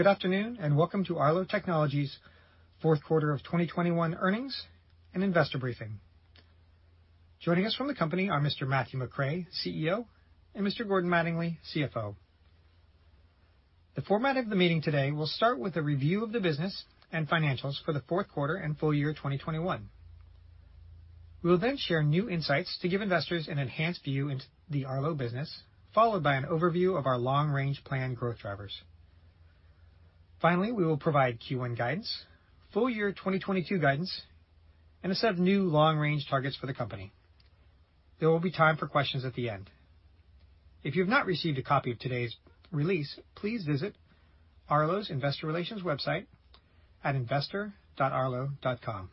Good afternoon, and welcome to Arlo Technologies' fourth quarter of 2021 earnings and investor briefing. Joining us from the company are Mr. Matthew McRae, Chief Executive Officer, and Mr. Gordon Mattingly, Chief Financial Officer. The format of the meeting today will start with a review of the business and financials for the fourth quarter and full year 2021. We'll then share new insights to give investors an enhanced view into the Arlo business, followed by an overview of our long-range plan growth drivers. Finally, we will provide Q1 guidance, full year 2022 guidance, and a set of new long-range targets for the company. There will be time for questions at the end. If you've not received a copy of today's release, please visit Arlo's investor relations website at investor.arlo.com.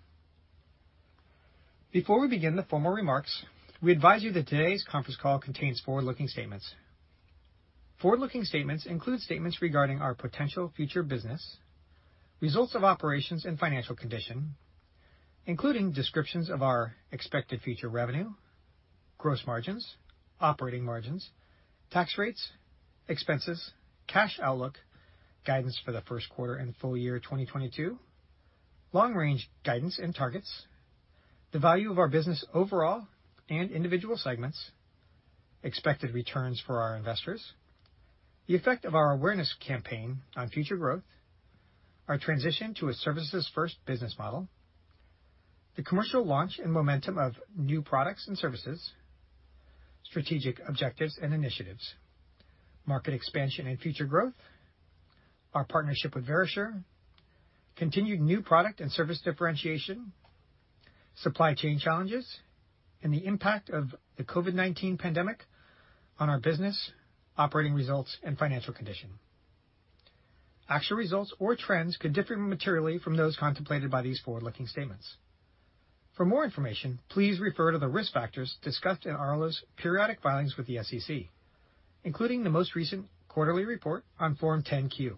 Before we begin the formal remarks, we advise you that today's conference call contains forward-looking statements. Forward-looking statements include statements regarding our potential future business, results of operations and financial condition, including descriptions of our expected future revenue, gross margins, operating margins, tax rates, expenses, cash outlook, guidance for the first quarter and full year 2022, long-range guidance and targets, the value of our business overall and individual segments, expected returns for our investors, the effect of our awareness campaign on future growth, our transition to a services first business model, the commercial launch and momentum of new products and services, strategic objectives and initiatives, market expansion and future growth, our partnership with Verisure, continued new product and service differentiation, supply chain challenges, and the impact of the COVID-19 pandemic on our business, operating results, and financial condition. Actual results or trends could differ materially from those contemplated by these forward-looking statements. For more information, please refer to the risk factors discussed in Arlo's periodic filings with the SEC, including the most recent quarterly report on Form 10-Q.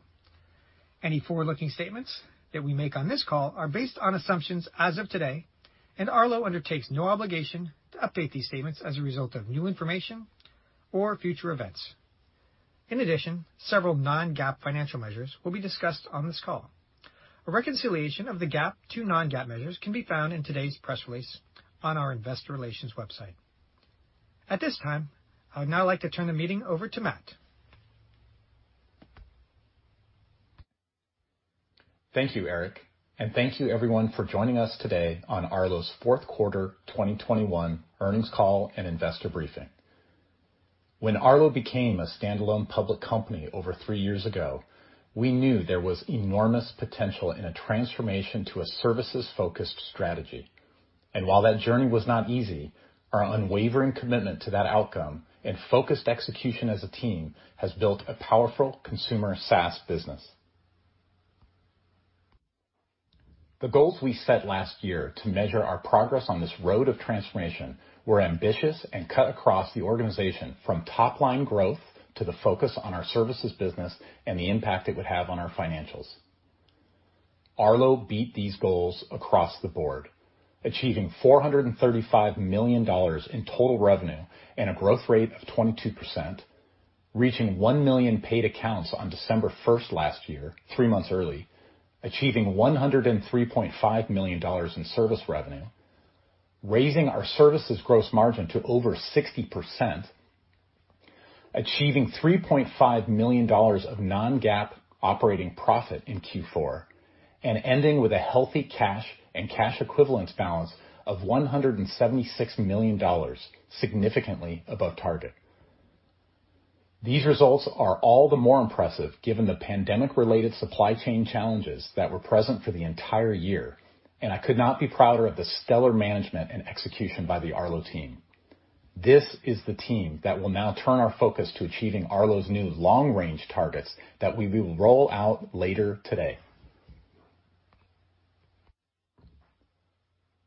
Any forward-looking statements that we make on this call are based on assumptions as of today, and Arlo undertakes no obligation to update these statements as a result of new information or future events. In addition, several non-GAAP financial measures will be discussed on this call. A reconciliation of the GAAP to non-GAAP measures can be found in today's press release on our investor relations website. At this time, I would now like to turn the meeting over to Matt. Thank you, Eric, and thank you everyone for joining us today on Arlo's fourth quarter 2021 earnings call and investor briefing. When Arlo became a standalone public company over three years ago, we knew there was enormous potential in a transformation to a services-focused strategy. While that journey was not easy, our unwavering commitment to that outcome and focused execution as a team has built a powerful consumer SaaS business. The goals we set last year to measure our progress on this road of transformation were ambitious and cut across the organization from top-line growth to the focus on our services business and the impact it would have on our financials. Arlo beat these goals across the board, achieving $435 million in total revenue and a growth rate of 22%, reaching 1 million paid accounts on December 1st last year, 3 months early, achieving $103.5 million in service revenue, raising our services gross margin to over 60%, achieving $3.5 million of non-GAAP operating profit in Q4, and ending with a healthy cash and cash equivalence balance of $176 million, significantly above target. These results are all the more impressive given the pandemic-related supply chain challenges that were present for the entire year, and I could not be prouder of the stellar management and execution by the Arlo team. This is the team that will now turn our focus to achieving Arlo's new long-range targets that we will roll out later today.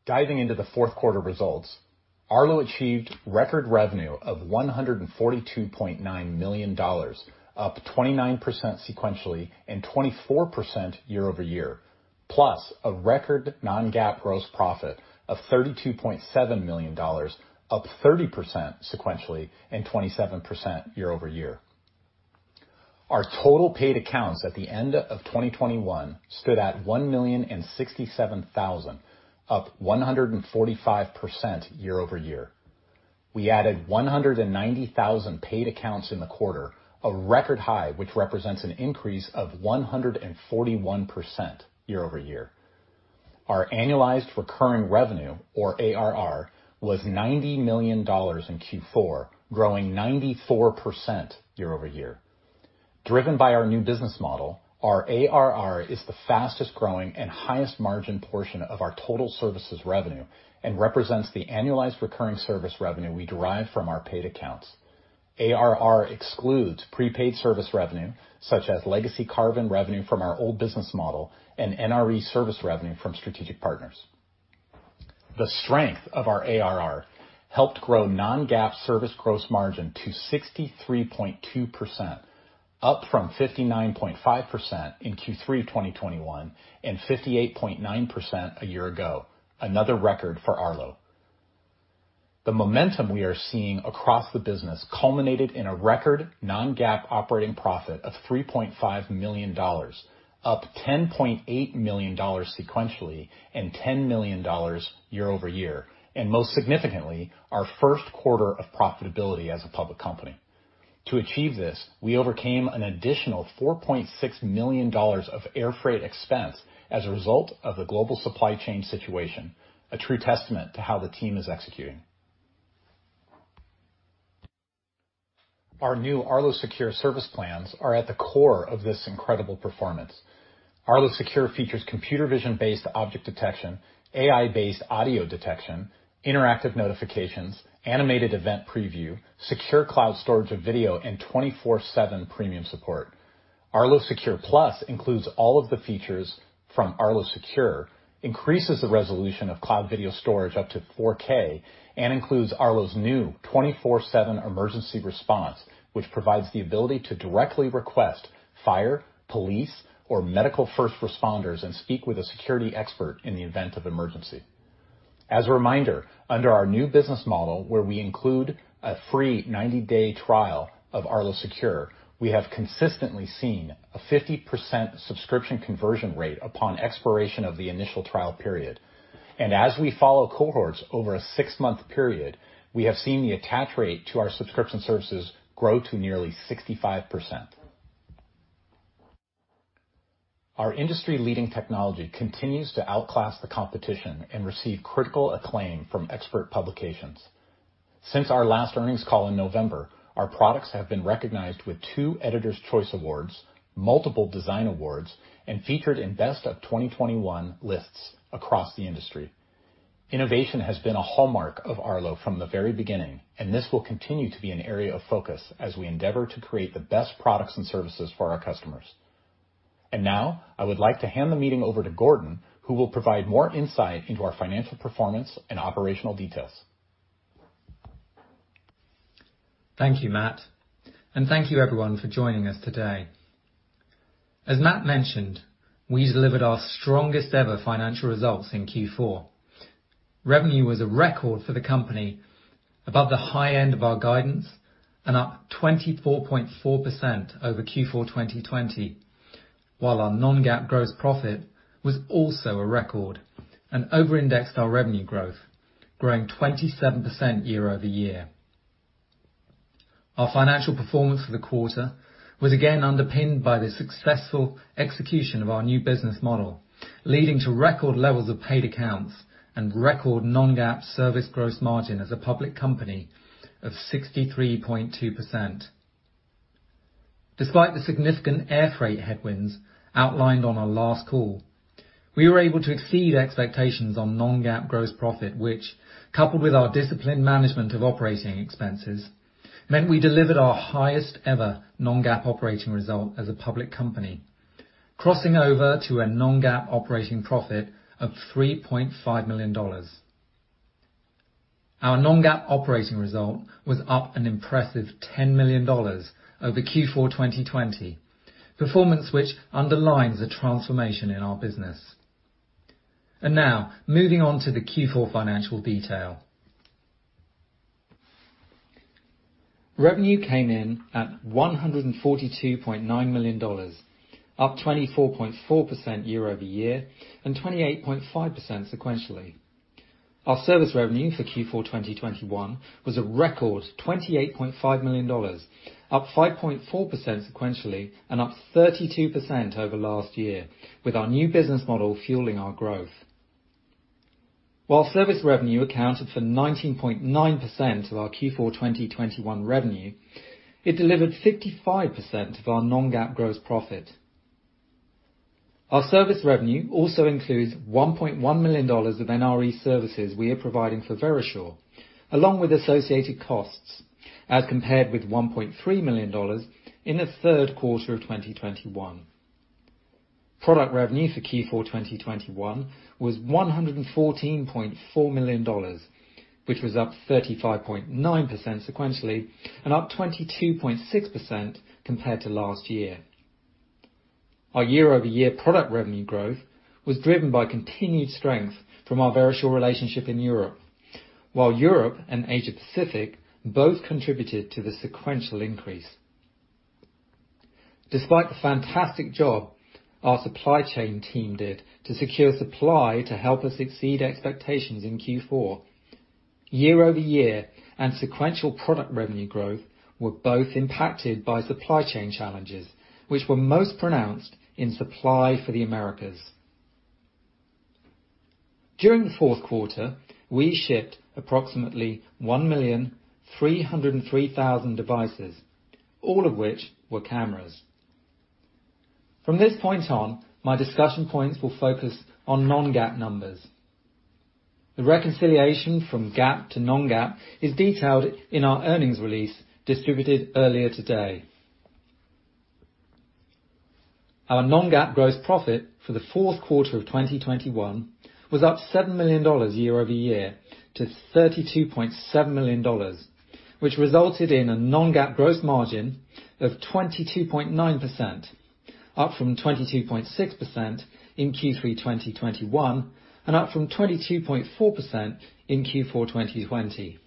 Diving into the fourth quarter results, Arlo achieved record revenue of $142.9 million, up 29% sequentially and 24% year-over-year, plus a record non-GAAP gross profit of $32.7 million, up 30% sequentially and 27% year-over-year. Our total paid accounts at the end of 2021 stood at 1,067,000, up 145% year-over-year. We added 190,000 paid accounts in the quarter, a record high which represents an increase of 141% year-over-year. Our Annualized Recurring Revenue or ARR was $90 million in Q4, growing 94% year-over-year. Driven by our new business model, our ARR is the fastest growing and highest margin portion of our total services revenue and represents the annualized recurring service revenue we derive from our paid accounts. ARR excludes prepaid service revenue such as legacy revenue from our old business model and NRE service revenue from strategic partners. The strength of our ARR helped grow non-GAAP service gross margin to 63.2%, up from 59.5% in Q3 2021 and 58.9% a year ago, another record for Arlo. The momentum we are seeing across the business culminated in a record non-GAAP operating profit of $3.5 million, up $10.8 million sequentially and $10 million year-over-year. Most significantly, our first quarter of profitability as a public company. To achieve this, we overcame an additional $4.6 million of air freight expense as a result of the global supply chain situation. A true testament to how the team is executing. Our new Arlo Secure service plans are at the core of this incredible performance. Arlo Secure features computer vision-based object detection, AI-based audio detection, interactive notifications, animated event preview, secure cloud storage of video, and 24/7 premium support. Arlo Secure Plus includes all of the features from Arlo Secure, increases the resolution of cloud video storage up to 4K, and includes Arlo's new 24/7 emergency response, which provides the ability to directly request fire, police, or medical first responders and speak with a security expert in the event of emergency. As a reminder, under our new business model, where we include a free 90-day trial of Arlo Secure, we have consistently seen a 50% subscription conversion rate upon expiration of the initial trial period. As we follow cohorts over a 6-month period, we have seen the attach rate to our subscription services grow to nearly 65%. Our industry-leading technology continues to outclass the competition and receive critical acclaim from expert publications. Since our last earnings call in November, our products have been recognized with two Editor's Choice awards, multiple design awards, and featured in best of 2021 lists across the industry. Innovation has been a hallmark of Arlo from the very beginning, and this will continue to be an area of focus as we endeavor to create the best products and services for our customers. Now I would like to hand the meeting over to Gordon, who will provide more insight into our financial performance and operational details. Thank you, Matt, and thank you everyone for joining us today. As Matt mentioned, we delivered our strongest ever financial results in Q4. Revenue was a record for the company, above the high end of our guidance and up 24.4% over Q4 2020. While our non-GAAP gross profit was also a record and over-indexed our revenue growth, growing 27% year-over-year. Our financial performance for the quarter was again underpinned by the successful execution of our new business model, leading to record levels of paid accounts and record non-GAAP service gross margin as a public company of 63.2%. Despite the significant air freight headwinds outlined on our last call, we were able to exceed expectations on non-GAAP gross profit, which, coupled with our disciplined management of operating expenses, meant we delivered our highest ever non-GAAP operating result as a public company, crossing over to a non-GAAP operating profit of $3.5 million. Our non-GAAP operating result was up an impressive $10 million over Q4 2020, performance which underlines the transformation in our business. Now moving on to the Q4 financial detail. Revenue came in at $142.9 million, up 24.4% year-over-year and 28.5% sequentially. Our service revenue for Q4 2021 was a record $28.5 million, up 5.4% sequentially and up 32% over last year, with our new business model fueling our growth. While service revenue accounted for 19.9% of our Q4 2021 revenue, it delivered 55% of our non-GAAP gross profit. Our service revenue also includes $1.1 million of NRE services we are providing for Verisure, along with associated costs as compared with $1.3 million in the third quarter of 2021. Product revenue for Q4 2021 was $114.4 million, which was up 35.9% sequentially and up 22.6% compared to last year. Our year-over-year product revenue growth was driven by continued strength from our Verisure relationship in Europe. While Europe and Asia Pacific both contributed to the sequential increase. Despite the fantastic job our supply chain team did to secure supply to help us exceed expectations in Q4, year-over-year and sequential product revenue growth were both impacted by supply chain challenges, which were most pronounced in supply for the Americas. During the fourth quarter, we shipped approximately 1,303,000 devices, all of which were cameras. From this point on, my discussion points will focus on non-GAAP numbers. The reconciliation from GAAP to non-GAAP is detailed in our earnings release distributed earlier today. Our non-GAAP gross profit for the fourth quarter of 2021 was up $7 million year-over-year to $32.7 million, which resulted in a non-GAAP gross margin of 22.9%, up from 22.6% in Q3 2021, and up from 22.4% in Q4 2020.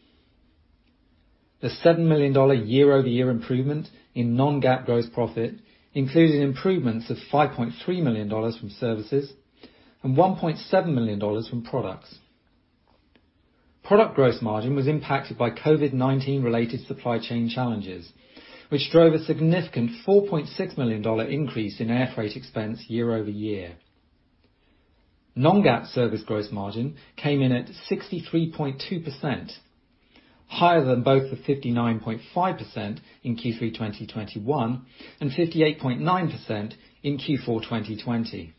The $7 million year-over-year improvement in non-GAAP gross profit, including improvements of $5.3 million from services and $1.7 million from products. Product gross margin was impacted by COVID-19 related supply chain challenges, which drove a significant $4.6 million increase in air freight expense year-over-year. Non-GAAP service gross margin came in at 63.2%, higher than both the 59.5% in Q3 2021 and 58.9% in Q4 2020.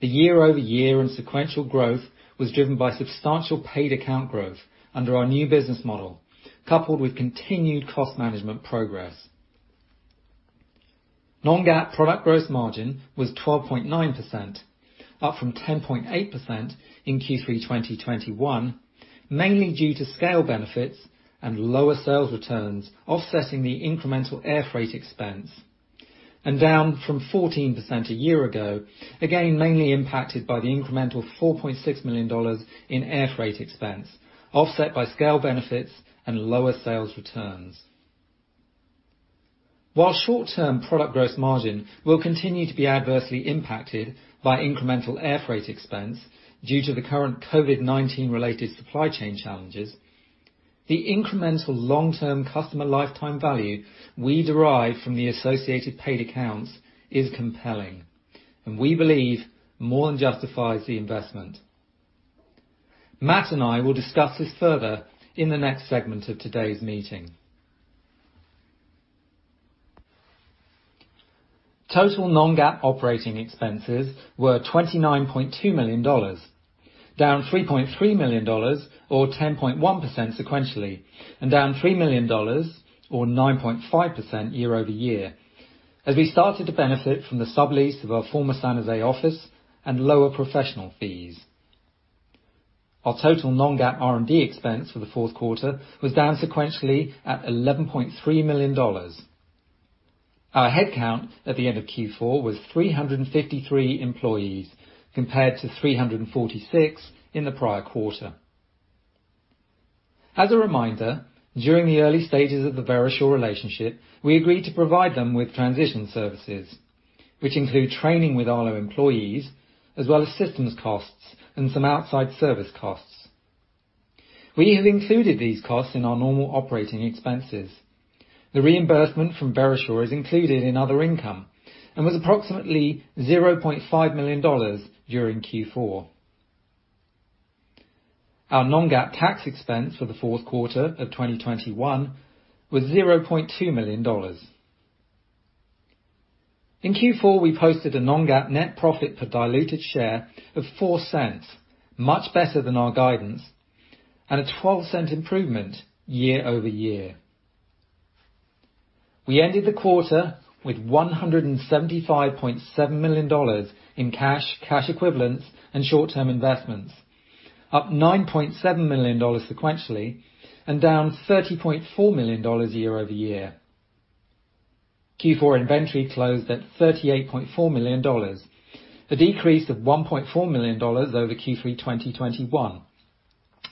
The year-over-year and sequential growth was driven by substantial paid account growth under our new business model, coupled with continued cost management progress. Non-GAAP product gross margin was 12.9%, up from 10.8% in Q3 2021, mainly due to scale benefits and lower sales returns, offsetting the incremental air freight expense, and down from 14% a year ago, again, mainly impacted by the incremental $4.6 million in air freight expense, offset by scale benefits and lower sales returns. While short-term product gross margin will continue to be adversely impacted by incremental air freight expense due to the current COVID-19 related supply chain challenges, the incremental long-term customer lifetime value we derive from the associated paid accounts is compelling, and we believe more than justifies the investment. Matt and I will discuss this further in the next segment of today's meeting. Total non-GAAP operating expenses were $29.2 million, down $3.3 million or 10.1% sequentially, and down $3 million or 9.5% year-over-year as we started to benefit from the sublease of our former San José office and lower professional fees. Our total non-GAAP R&D expense for the fourth quarter was down sequentially at $11.3 million. Our headcount at the end of Q4 was 353 employees, compared to 346 in the prior quarter. As a reminder, during the early stages of the Verisure relationship, we agreed to provide them with transition services, which include training with Arlo employees as well as systems costs and some outside service costs. We have included these costs in our normal operating expenses. The reimbursement from Verisure is included in other income and was approximately $0.5 million during Q4. Our non-GAAP tax expense for the fourth quarter of 2021 was $0.2 million. In Q4, we posted a non-GAAP net profit per diluted share of $0.04, much better than our guidance, and a $0.12 improvement year-over-year. We ended the quarter with $175.7 million in cash equivalents, and short-term investments, up $9.7 million sequentially and down $30.4 million year-over-year. Q4 inventory closed at $38.4 million, a decrease of $1.4 million over Q3 2021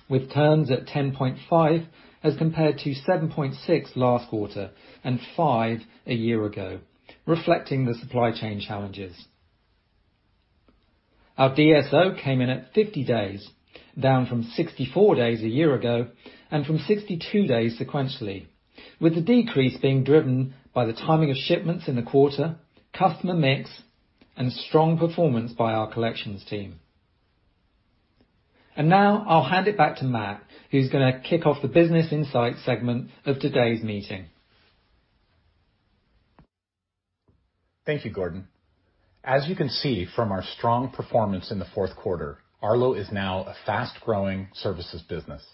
with turns at 10.5 as compared to 7.6 last quarter and 5 a year ago, reflecting the supply chain challenges. Our DSO came in at 50 days, down from 64 days a year ago and from 62 days sequentially, with the decrease being driven by the timing of shipments in the quarter, customer mix, and strong performance by our collections team. Now I'll hand it back to Matt, who's gonna kick off the business insight segment of today's meeting. Thank you, Gordon. As you can see from our strong performance in the fourth quarter, Arlo is now a fast-growing services business.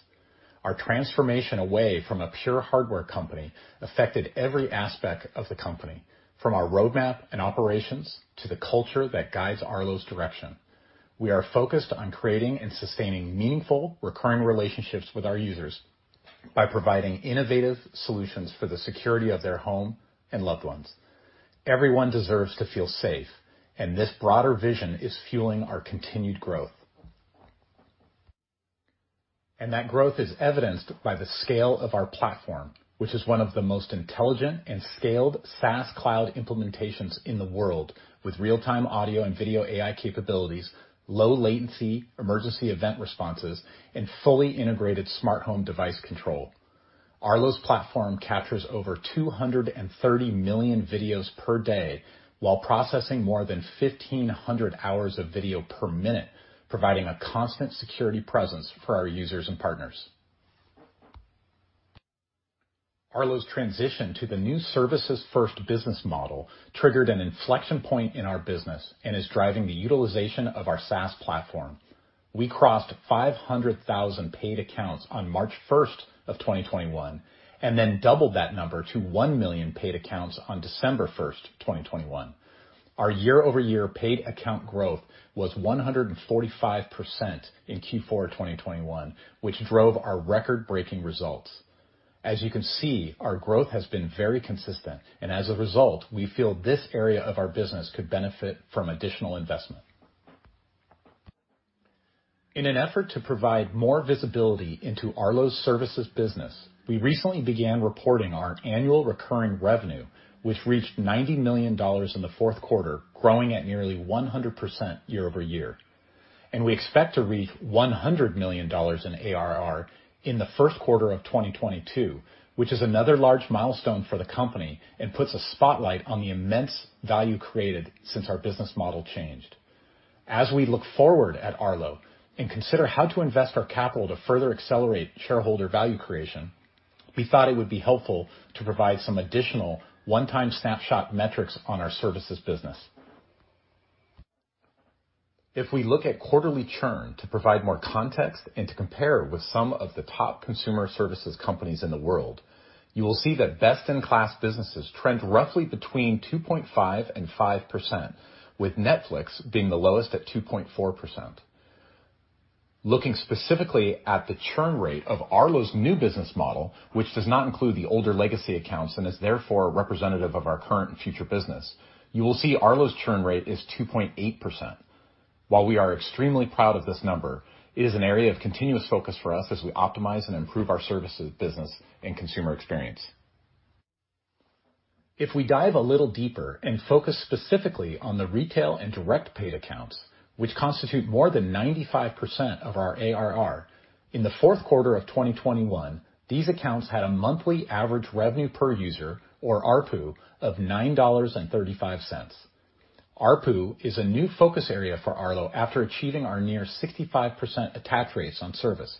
Our transformation away from a pure hardware company affected every aspect of the company, from our roadmap and operations to the culture that guides Arlo's direction. We are focused on creating and sustaining meaningful recurring relationships with our users by providing innovative solutions for the security of their home and loved ones. Everyone deserves to feel safe, and this broader vision is fueling our continued growth. That growth is evidenced by the scale of our platform, which is one of the most intelligent and scaled SaaS cloud implementations in the world, with real-time audio and video AI capabilities, low latency emergency event responses, and fully integrated smart home device control. Arlo's platform captures over 230 million videos per day while processing more than 1,500 hours of video per minute, providing a constant security presence for our users and partners. Arlo's transition to the new services first business model triggered an inflection point in our business and is driving the utilization of our SaaS platform. We crossed 500,000 paid accounts on March 1st, 2021, and then doubled that number to 1 million paid accounts on December 1st, 2021. Our year-over-year paid account growth was 145% in Q4 of 2021, which drove our record-breaking results. As you can see, our growth has been very consistent, and as a result, we feel this area of our business could benefit from additional investment. In an effort to provide more visibility into Arlo's services business, we recently began reporting our annual recurring revenue, which reached $90 million in the fourth quarter, growing at nearly 100% year-over-year. We expect to reach $100 million in ARR in the first quarter of 2022, which is another large milestone for the company and puts a spotlight on the immense value created since our business model changed. As we look forward at Arlo and consider how to invest our capital to further accelerate shareholder value creation, we thought it would be helpful to provide some additional one-time snapshot metrics on our services business. If we look at quarterly churn to provide more context and to compare with some of the top consumer services companies in the world, you will see that best-in-class businesses trend roughly between 2.5% and 5%, with Netflix being the lowest at 2.4%. Looking specifically at the churn rate of Arlo's new business model, which does not include the older legacy accounts and is therefore representative of our current and future business, you will see Arlo's churn rate is 2.8%. While we are extremely proud of this number, it is an area of continuous focus for us as we optimize and improve our services business and consumer experience. If we dive a little deeper and focus specifically on the retail and direct paid accounts, which constitute more than 95% of our ARR, in the fourth quarter of 2021, these accounts had a monthly average revenue per user or ARPU of $9.35. ARPU is a new focus area for Arlo after achieving our near 65% attach rates on service.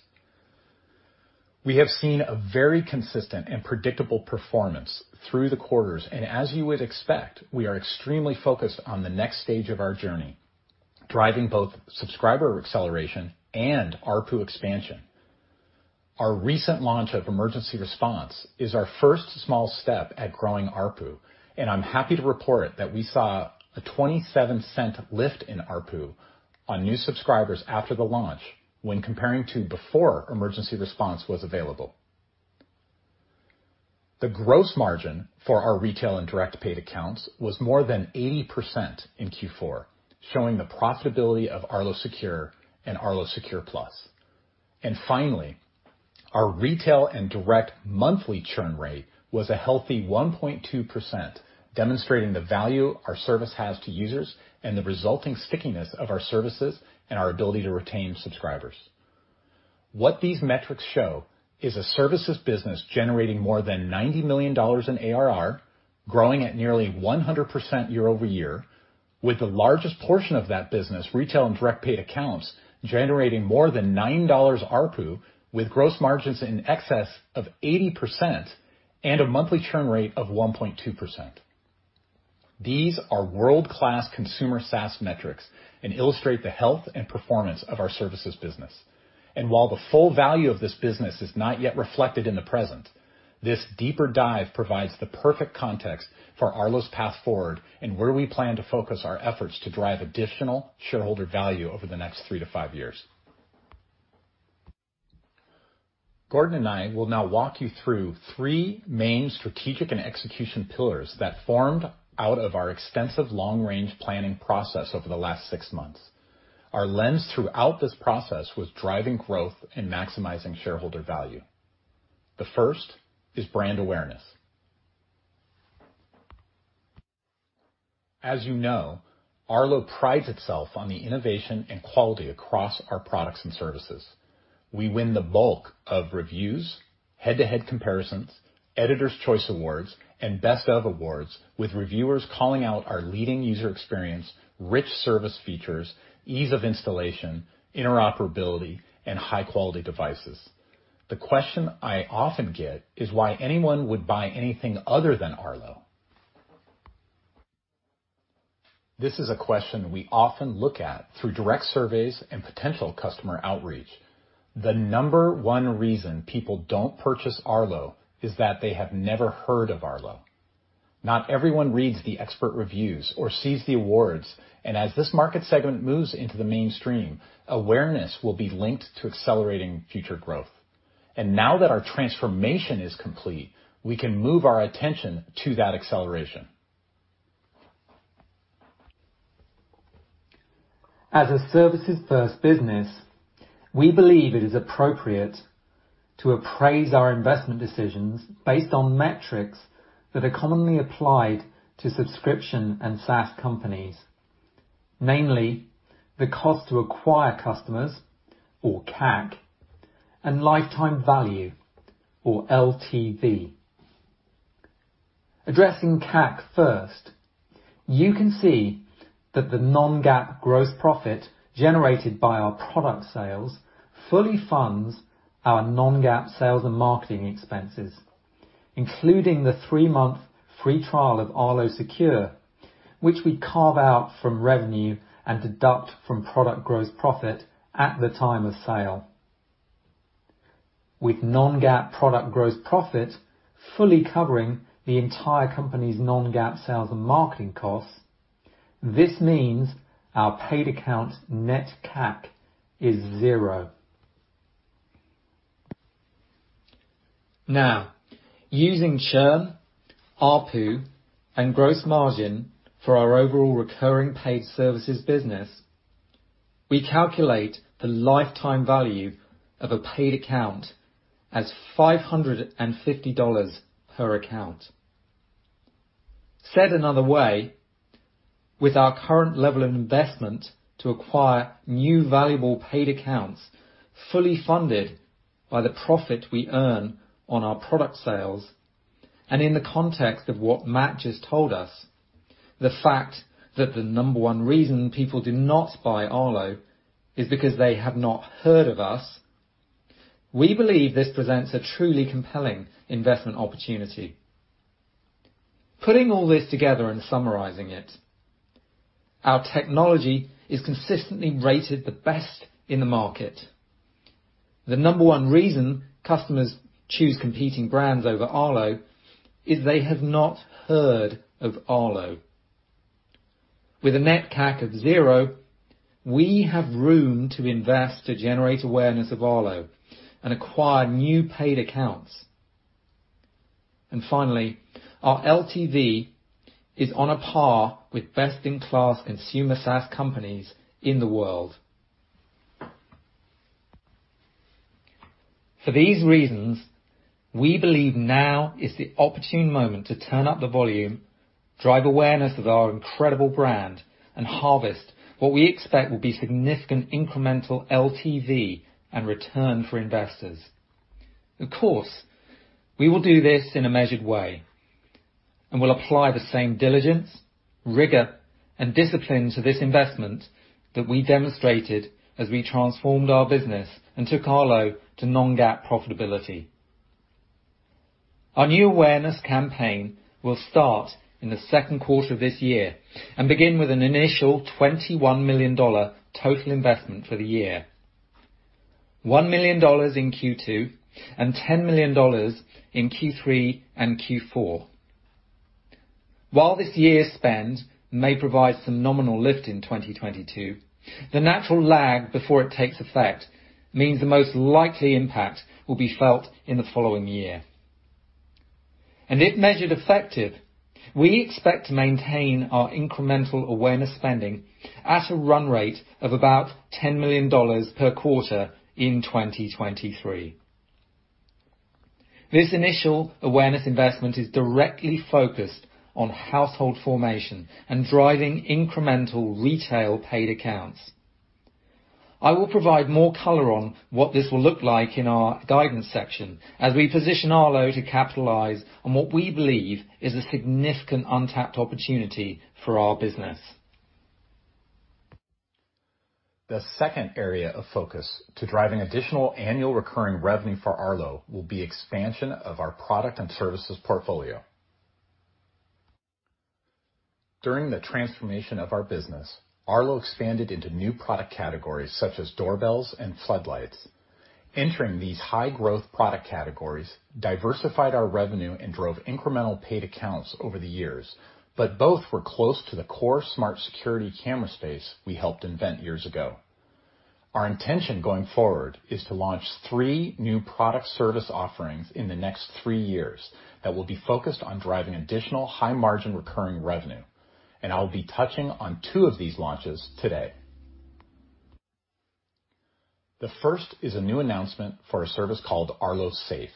We have seen a very consistent and predictable performance through the quarters, and as you would expect, we are extremely focused on the next stage of our journey, driving both subscriber acceleration and ARPU expansion. Our recent launch of Emergency Response is our first small step at growing ARPU, and I'm happy to report that we saw a 0.27 Lift in ARPU on new subscribers after the launch when comparing to before Emergency Response was available. The gross margin for our retail and direct paid accounts was more than 80% in Q4, showing the profitability of Arlo Secure and Arlo Secure Plus. Finally, our retail and direct monthly churn rate was a healthy 1.2%, demonstrating the value our service has to users and the resulting stickiness of our services and our ability to retain subscribers. What these metrics show is a services business generating more than $90 million in ARR, growing at nearly 100% year-over-year, with the largest portion of that business, retail and direct paid accounts, generating more than $9 ARPU with gross margins in excess of 80% and a monthly churn rate of 1.2%. These are world-class consumer SaaS metrics and illustrate the health and performance of our services business. While the full value of this business is not yet reflected in the present, this deeper dive provides the perfect context for Arlo's path forward and where we plan to focus our efforts to drive additional shareholder value over the next 3-5 years. Gordon and I will now walk you through three main strategic and execution pillars that formed out of our extensive long-range planning process over the last 6 months. Our lens throughout this process was driving growth and maximizing shareholder value. The first is brand awareness. As you know, Arlo prides itself on the innovation and quality across our products and services. We win the bulk of reviews, head-to-head comparisons, Editor's Choice Awards, and Best of Awards, with reviewers calling out our leading user experience, rich service features, ease of installation, interoperability, and high-quality devices. The question I often get is, "Why would anyone buy anything other than Arlo?" This is a question we often look at through direct surveys and potential customer outreach. The number one reason people don't purchase Arlo is that they have never heard of Arlo. Not everyone reads the expert reviews or sees the awards, and as this market segment moves into the mainstream, awareness will be linked to accelerating future growth. Now that our transformation is complete, we can move our attention to that acceleration. As a services first business, we believe it is appropriate to appraise our investment decisions based on metrics that are commonly applied to subscription and SaaS companies, namely the cost to acquire customers or CAC and lifetime value or LTV. Addressing CAC first, you can see that the non-GAAP gross profit generated by our product sales fully funds our non-GAAP sales and marketing expenses, including the three-month free trial of Arlo Secure, which we carve out from revenue and deduct from product gross profit at the time of sale. With non-GAAP product gross profit fully covering the entire company's non-GAAP sales and marketing costs, this means our paid accounts net CAC is zero. Now, using churn, ARPU, and gross margin for our overall recurring paid services business, we calculate the lifetime value of a paid account as $550 per account. Said another way, with our current level of investment to acquire new valuable paid accounts, fully funded by the profit we earn on our product sales, and in the context of what Matt just told us, the fact that the number one reason people do not buy Arlo is because they have not heard of us, we believe this presents a truly compelling investment opportunity. Putting all this together and summarizing it, our technology is consistently rated the best in the market. The number one reason customers choose competing brands over Arlo is they have not heard of Arlo. With a net CAC of zero, we have room to invest to generate awareness of Arlo and acquire new paid accounts. Finally, our LTV is on a par with best-in-class consumer SaaS companies in the world. For these reasons, we believe now is the opportune moment to turn up the volume, drive awareness of our incredible brand, and harvest what we expect will be significant incremental LTV and return for investors. Of course, we will do this in a measured way, and we'll apply the same diligence, rigor, and discipline to this investment that we demonstrated as we transformed our business and took Arlo to non-GAAP profitability. Our new awareness campaign will start in the second quarter of this year and begin with an initial $21 million total investment for the year. $1 million in Q2 and $10 million in Q3 and Q4. While this year's spend may provide some nominal lift in 2022, the natural lag before it takes effect means the most likely impact will be felt in the following year. If measured effective, we expect to maintain our incremental awareness spending at a run rate of about $10 million per quarter in 2023. This initial awareness investment is directly focused on household formation and driving incremental retail paid accounts. I will provide more color on what this will look like in our guidance section as we position Arlo to capitalize on what we believe is a significant untapped opportunity for our business. The second area of focus to driving additional annual recurring revenue for Arlo will be expansion of our product and services portfolio. During the transformation of our business, Arlo expanded into new product categories such as doorbells and floodlights. Entering these high-growth product categories diversified our revenue and drove incremental paid accounts over the years, but both were close to the core smart security camera space we helped invent years ago. Our intention going forward is to launch three new product service offerings in the next three years that will be focused on driving additional high-margin recurring revenue, and I'll be touching on two of these launches today. The first is a new announcement for a service called Arlo Safe.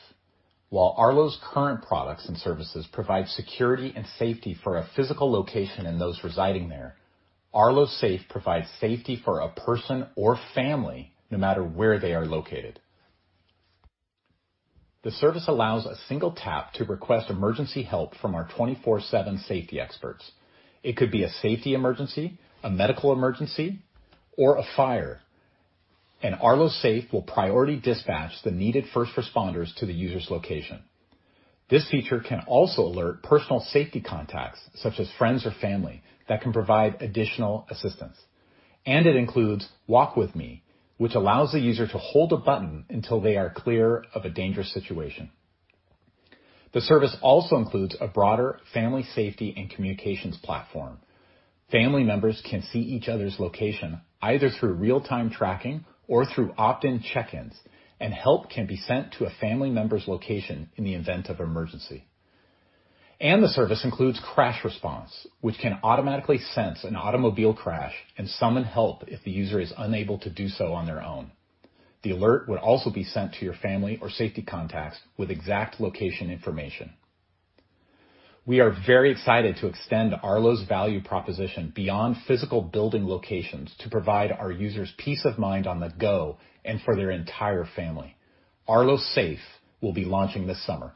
While Arlo's current products and services provide security and safety for a physical location and those residing there, Arlo Safe provides safety for a person or family no matter where they are located. The service allows a single tap to request emergency help from our 24/7 safety experts. It could be a safety emergency, a medical emergency, or a fire, and Arlo Safe will priority dispatch the needed first responders to the user's location. This feature can also alert personal safety contacts such as friends or family that can provide additional assistance. It includes Walk with Me, which allows the user to hold a button until they are clear of a dangerous situation. The service also includes a broader family safety and communications platform. Family members can see each other's location either through real-time tracking or through opt-in check-ins, and help can be sent to a family member's location in the event of emergency. The service includes crash response, which can automatically sense an automobile crash and summon help if the user is unable to do so on their own. The alert would also be sent to your family or safety contacts with exact location information. We are very excited to extend Arlo's value proposition beyond physical building locations to provide our users peace of mind on the go and for their entire family. Arlo Safe will be launching this summer.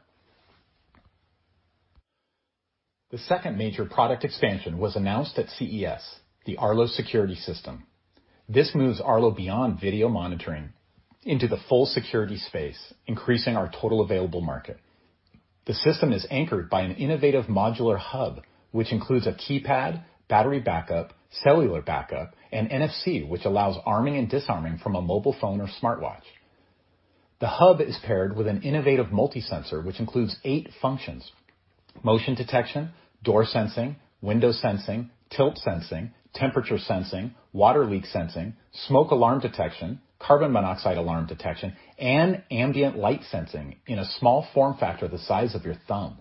The second major product expansion was announced at CES, the Arlo Home Security System. This moves Arlo beyond video monitoring into the full security space, increasing our total available market. The system is anchored by an innovative modular hub, which includes a keypad, battery backup, cellular backup, and NFC, which allows arming and disarming from a mobile phone or smartwatch. The hub is paired with an innovative multi-sensor, which includes eight functions, motion detection, door sensing, window sensing, tilt sensing, temperature sensing, water leak sensing, smoke alarm detection, carbon monoxide alarm detection, and ambient light sensing in a small form factor the size of your thumb.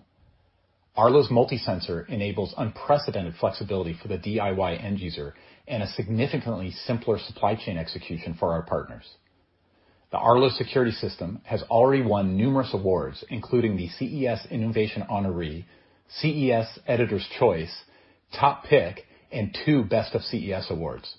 Arlo's multi-sensor enables unprecedented flexibility for the DIY end user and a significantly simpler supply chain execution for our partners. The Arlo security system has already won numerous awards, including the CES Innovation Honoree, CES Editors Choice, Top Pick, and two Best of CES awards.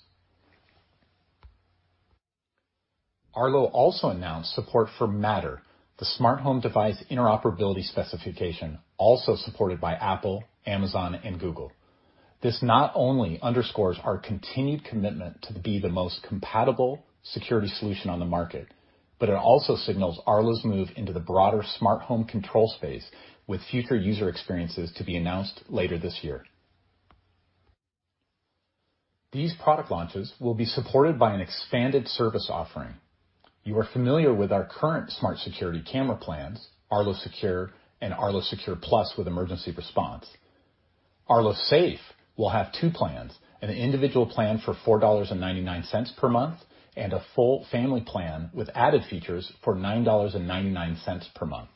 Arlo also announced support for Matter, the smart home device interoperability specification, also supported by Apple, Amazon, and Google. This not only underscores our continued commitment to be the most compatible security solution on the market, but it also signals Arlo's move into the broader smart home control space with future user experiences to be announced later this year. These product launches will be supported by an expanded service offering. You are familiar with our current smart security camera plans, Arlo Secure and Arlo Secure Plus with emergency response. Arlo Safe will have two plans, an individual plan for $4.99 per month, and a full family plan with added features for $9.99 per month.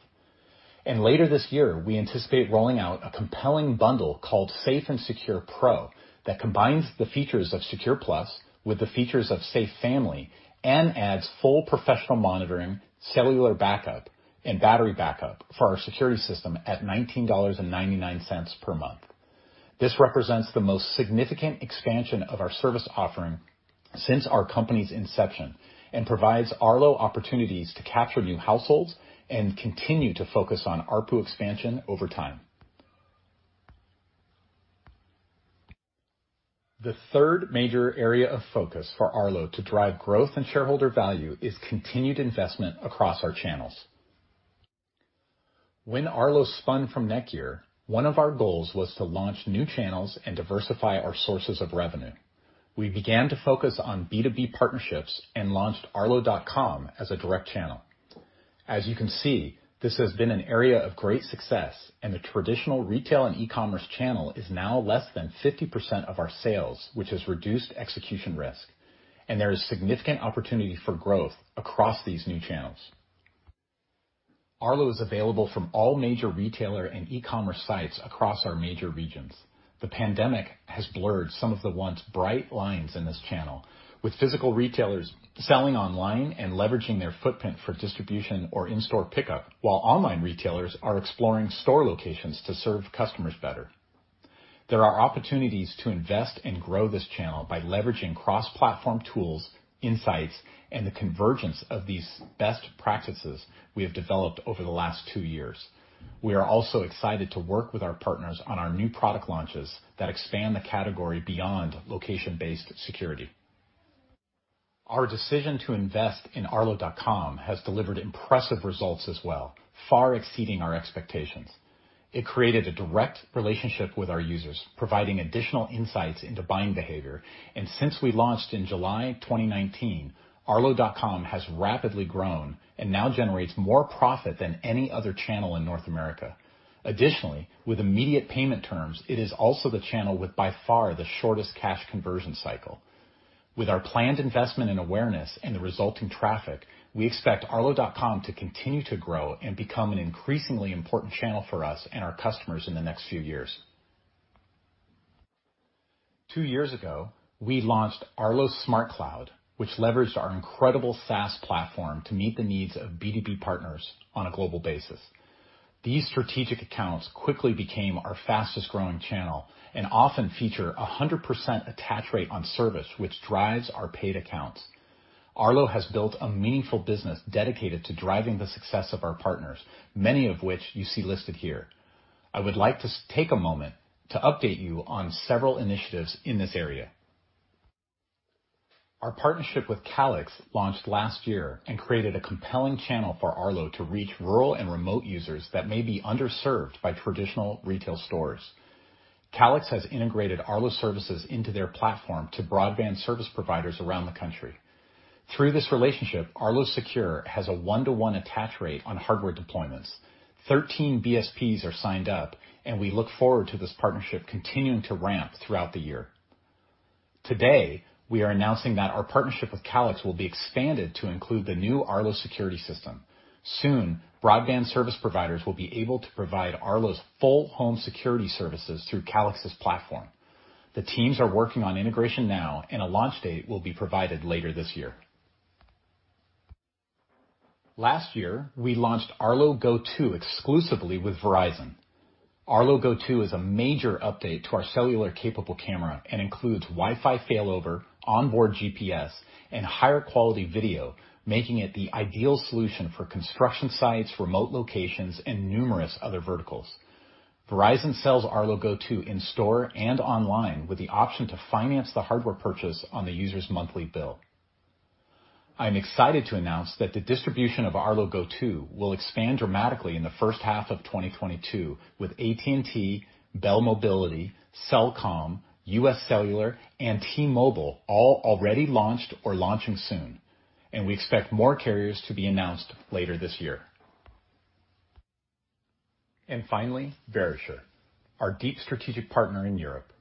Later this year, we anticipate rolling out a compelling bundle called Safe & Secure Pro that combines the features of Secure Plus with the features of Safe Family and adds full professional monitoring, cellular backup, and battery backup for our security system at $19.99 per month. This represents the most significant expansion of our service offering since our company's inception, and provides Arlo opportunities to capture new households and continue to focus on ARPU expansion over time. The third major area of focus for Arlo to drive growth and shareholder value is continued investment across our channels. When Arlo spun from NETGEAR, one of our goals was to launch new channels and diversify our sources of revenue. We began to focus on B2B partnerships and launched arlo.com as a direct channel. As you can see, this has been an area of great success, and the traditional retail and e-commerce channel is now less than 50% of our sales, which has reduced execution risk. There is significant opportunity for growth across these new channels. Arlo is available from all major retailers and e-commerce sites across our major regions. The pandemic has blurred some of the once bright lines in this channel, with physical retailers selling online and leveraging their footprint for distribution or in-store pickup, while online retailers are exploring store locations to serve customers better. There are opportunities to invest and grow this channel by leveraging cross-platform tools, insights, and the convergence of these best practices we have developed over the last 2 years. We are also excited to work with our partners on our new product launches that expand the category beyond location-based security. Our decision to invest in arlo.com has delivered impressive results as well, far exceeding our expectations. It created a direct relationship with our users, providing additional insights into buying behavior. Since we launched in July 2019, arlo.com has rapidly grown and now generates more profit than any other channel in North America. Additionally, with immediate payment terms, it is also the channel with by far the shortest cash conversion cycle. With our planned investment in awareness and the resulting traffic, we expect arlo.com to continue to grow and become an increasingly important channel for us and our customers in the next few years. 2 years ago, we launched Arlo SmartCloud, which leveraged our incredible SaaS platform to meet the needs of B2B partners on a global basis. These strategic accounts quickly became our fastest-growing channel and often feature 100% attach rate on service, which drives our paid accounts. Arlo has built a meaningful business dedicated to driving the success of our partners, many of which you see listed here. I would like to take a moment to update you on several initiatives in this area. Our partnership with Calix launched last year and created a compelling channel for Arlo to reach rural and remote users that may be underserved by traditional retail stores. Calix has integrated Arlo services into their platform to broadband service providers around the country. Through this relationship, Arlo Secure has a one to one attach rate on hardware deployments. 13 BSPs are signed up, and we look forward to this partnership continuing to ramp throughout the year. Today, we are announcing that our partnership with Calix will be expanded to include the new Arlo security system. Soon, broadband service providers will be able to provide Arlo's full home security services through Calix's platform. The teams are working on integration now, and a launch date will be provided later this year. Last year, we launched Arlo Go 2 exclusively with Verizon. Arlo Go 2 is a major update to our cellular-capable camera and includes Wi-Fi failover, onboard GPS, and higher quality video, making it the ideal solution for construction sites, remote locations, and numerous other verticals. Verizon sells Arlo Go 2 in-store and online with the option to finance the hardware purchase on the user's monthly bill. I'm excited to announce that the distribution of Arlo Go 2 will expand dramatically in the first half of 2022, with AT&T, Bell Mobility, Cellcom, U.S. Cellular, and T-Mobile all already launched or launching soon. We expect more carriers to be announced later this year. Finally, Verisure, our deep strategic partner in Europe.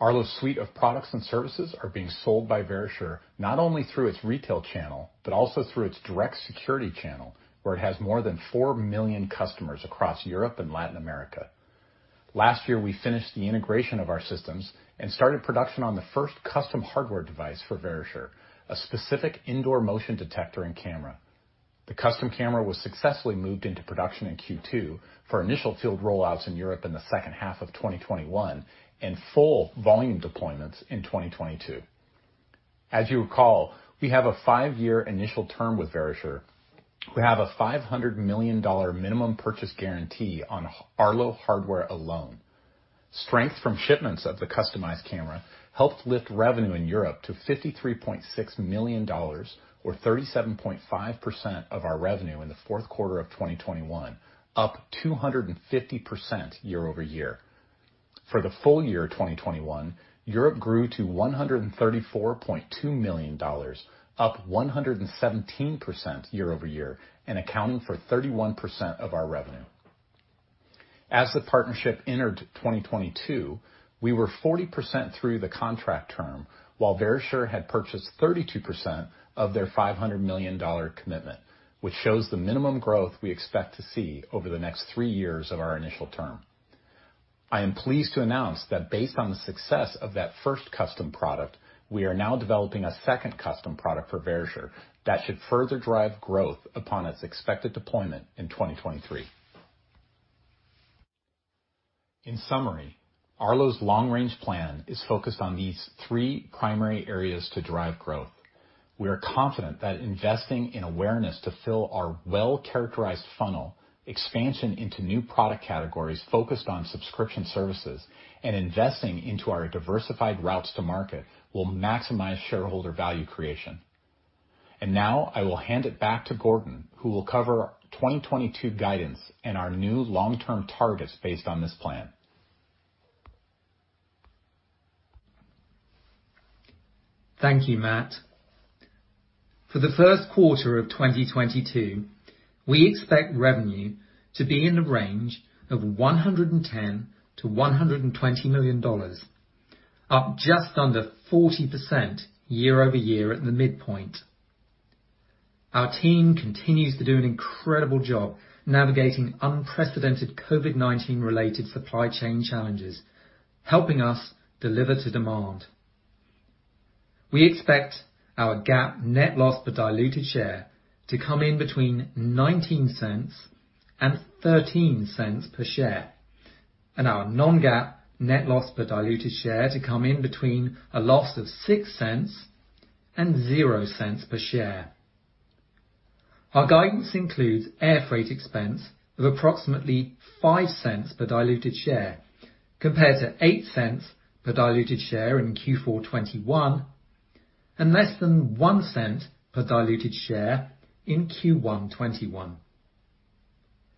Arlo's suite of products and services are being sold by Verisure, not only through its retail channel, but also through its direct security channel, where it has more than 4 million customers across Europe and Latin America. Last year, we finished the integration of our systems and started production on the first custom hardware device for Verisure, a specific indoor motion detector and camera. The custom camera was successfully moved into production in Q2 for initial field rollouts in Europe in the second half of 2021 and full volume deployments in 2022. As you recall, we have a 5-year initial term with Verisure. We have a $500 million minimum purchase guarantee on Arlo hardware alone. Strength from shipments of the customized camera helped lift revenue in Europe to $53.6 million or 37.5% of our revenue in the fourth quarter of 2021, up 250% year-over-year. For the full year of 2021, Europe grew to $134.2 million, up 117% year-over-year and accounting for 31% of our revenue. As the partnership entered 2022, we were 40% through the contract term, while Verisure had purchased 32% of their $500 million commitment, which shows the minimum growth we expect to see over the next three years of our initial term. I am pleased to announce that based on the success of that first custom product, we are now developing a second custom product for Verisure that should further drive growth upon its expected deployment in 2023. In summary, Arlo's long-range plan is focused on these three primary areas to drive growth. We are confident that investing in awareness to fill our well-characterized funnel, expansion into new product categories focused on subscription services, and investing into our diversified routes to market will maximize shareholder value creation. Now I will hand it back to Gordon, who will cover 2022 guidance and our new long-term targets based on this plan. Thank you, Matt. For the first quarter of 2022, we expect revenue to be in the range of $110 million-$120 million, up just under 40% year-over-year at the midpoint. Our team continues to do an incredible job navigating unprecedented COVID-19 related supply chain challenges, helping us deliver to demand. We expect our GAAP net loss per diluted share to come in between -$0.19 and -$0.13 per share, and our non-GAAP net loss per diluted share to come in between a loss of -$0.06 and -$0.00 per share. Our guidance includes air freight expense of approximately $0.05 per diluted share, compared to $0.08 per diluted share in Q4 2021, and less than $0.01 per diluted share in Q1 2021.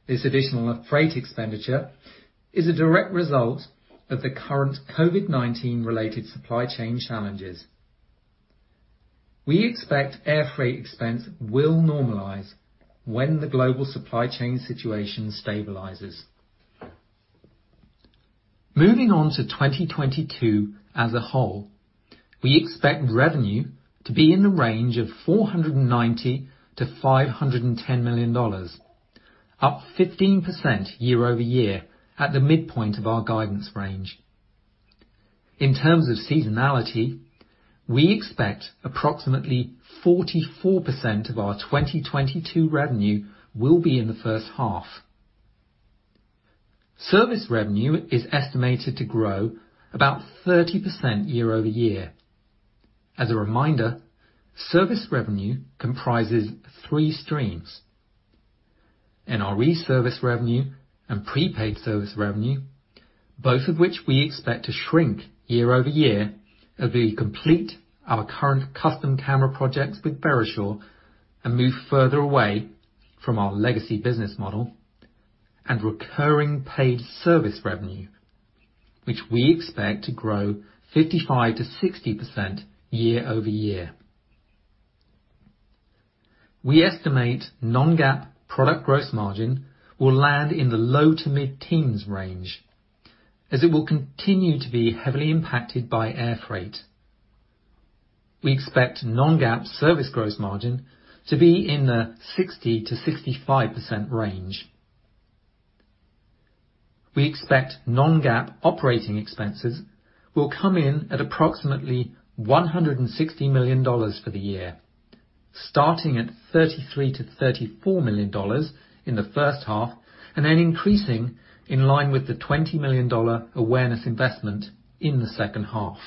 This additional freight expenditure is a direct result of the current COVID-19 related supply chain challenges. We expect air freight expense will normalize when the global supply chain situation stabilizes. Moving on to 2022 as a whole, we expect revenue to be in the range of $490 million-$510 million, up 15% year-over-year at the midpoint of our guidance range. In terms of seasonality, we expect approximately 44% of our 2022 revenue will be in the first half. Service revenue is estimated to grow about 30% year-over-year. As a reminder, service revenue comprises three streams: NRE service revenue and prepaid service revenue, both of which we expect to shrink year-over-year as we complete our current custom camera projects with Verisure and move further away from our legacy business model, and recurring paid service revenue, which we expect to grow 55%-60% year-over-year. We estimate non-GAAP product gross margin will land in the low to mid-teens range, as it will continue to be heavily impacted by air freight. We expect non-GAAP service gross margin to be in the 60%-65% range. We expect non-GAAP operating expenses will come in at approximately $160 million for the year, starting at $33 million-$34 million in the first half, and then increasing in line with the $20 million awareness investment in the second half.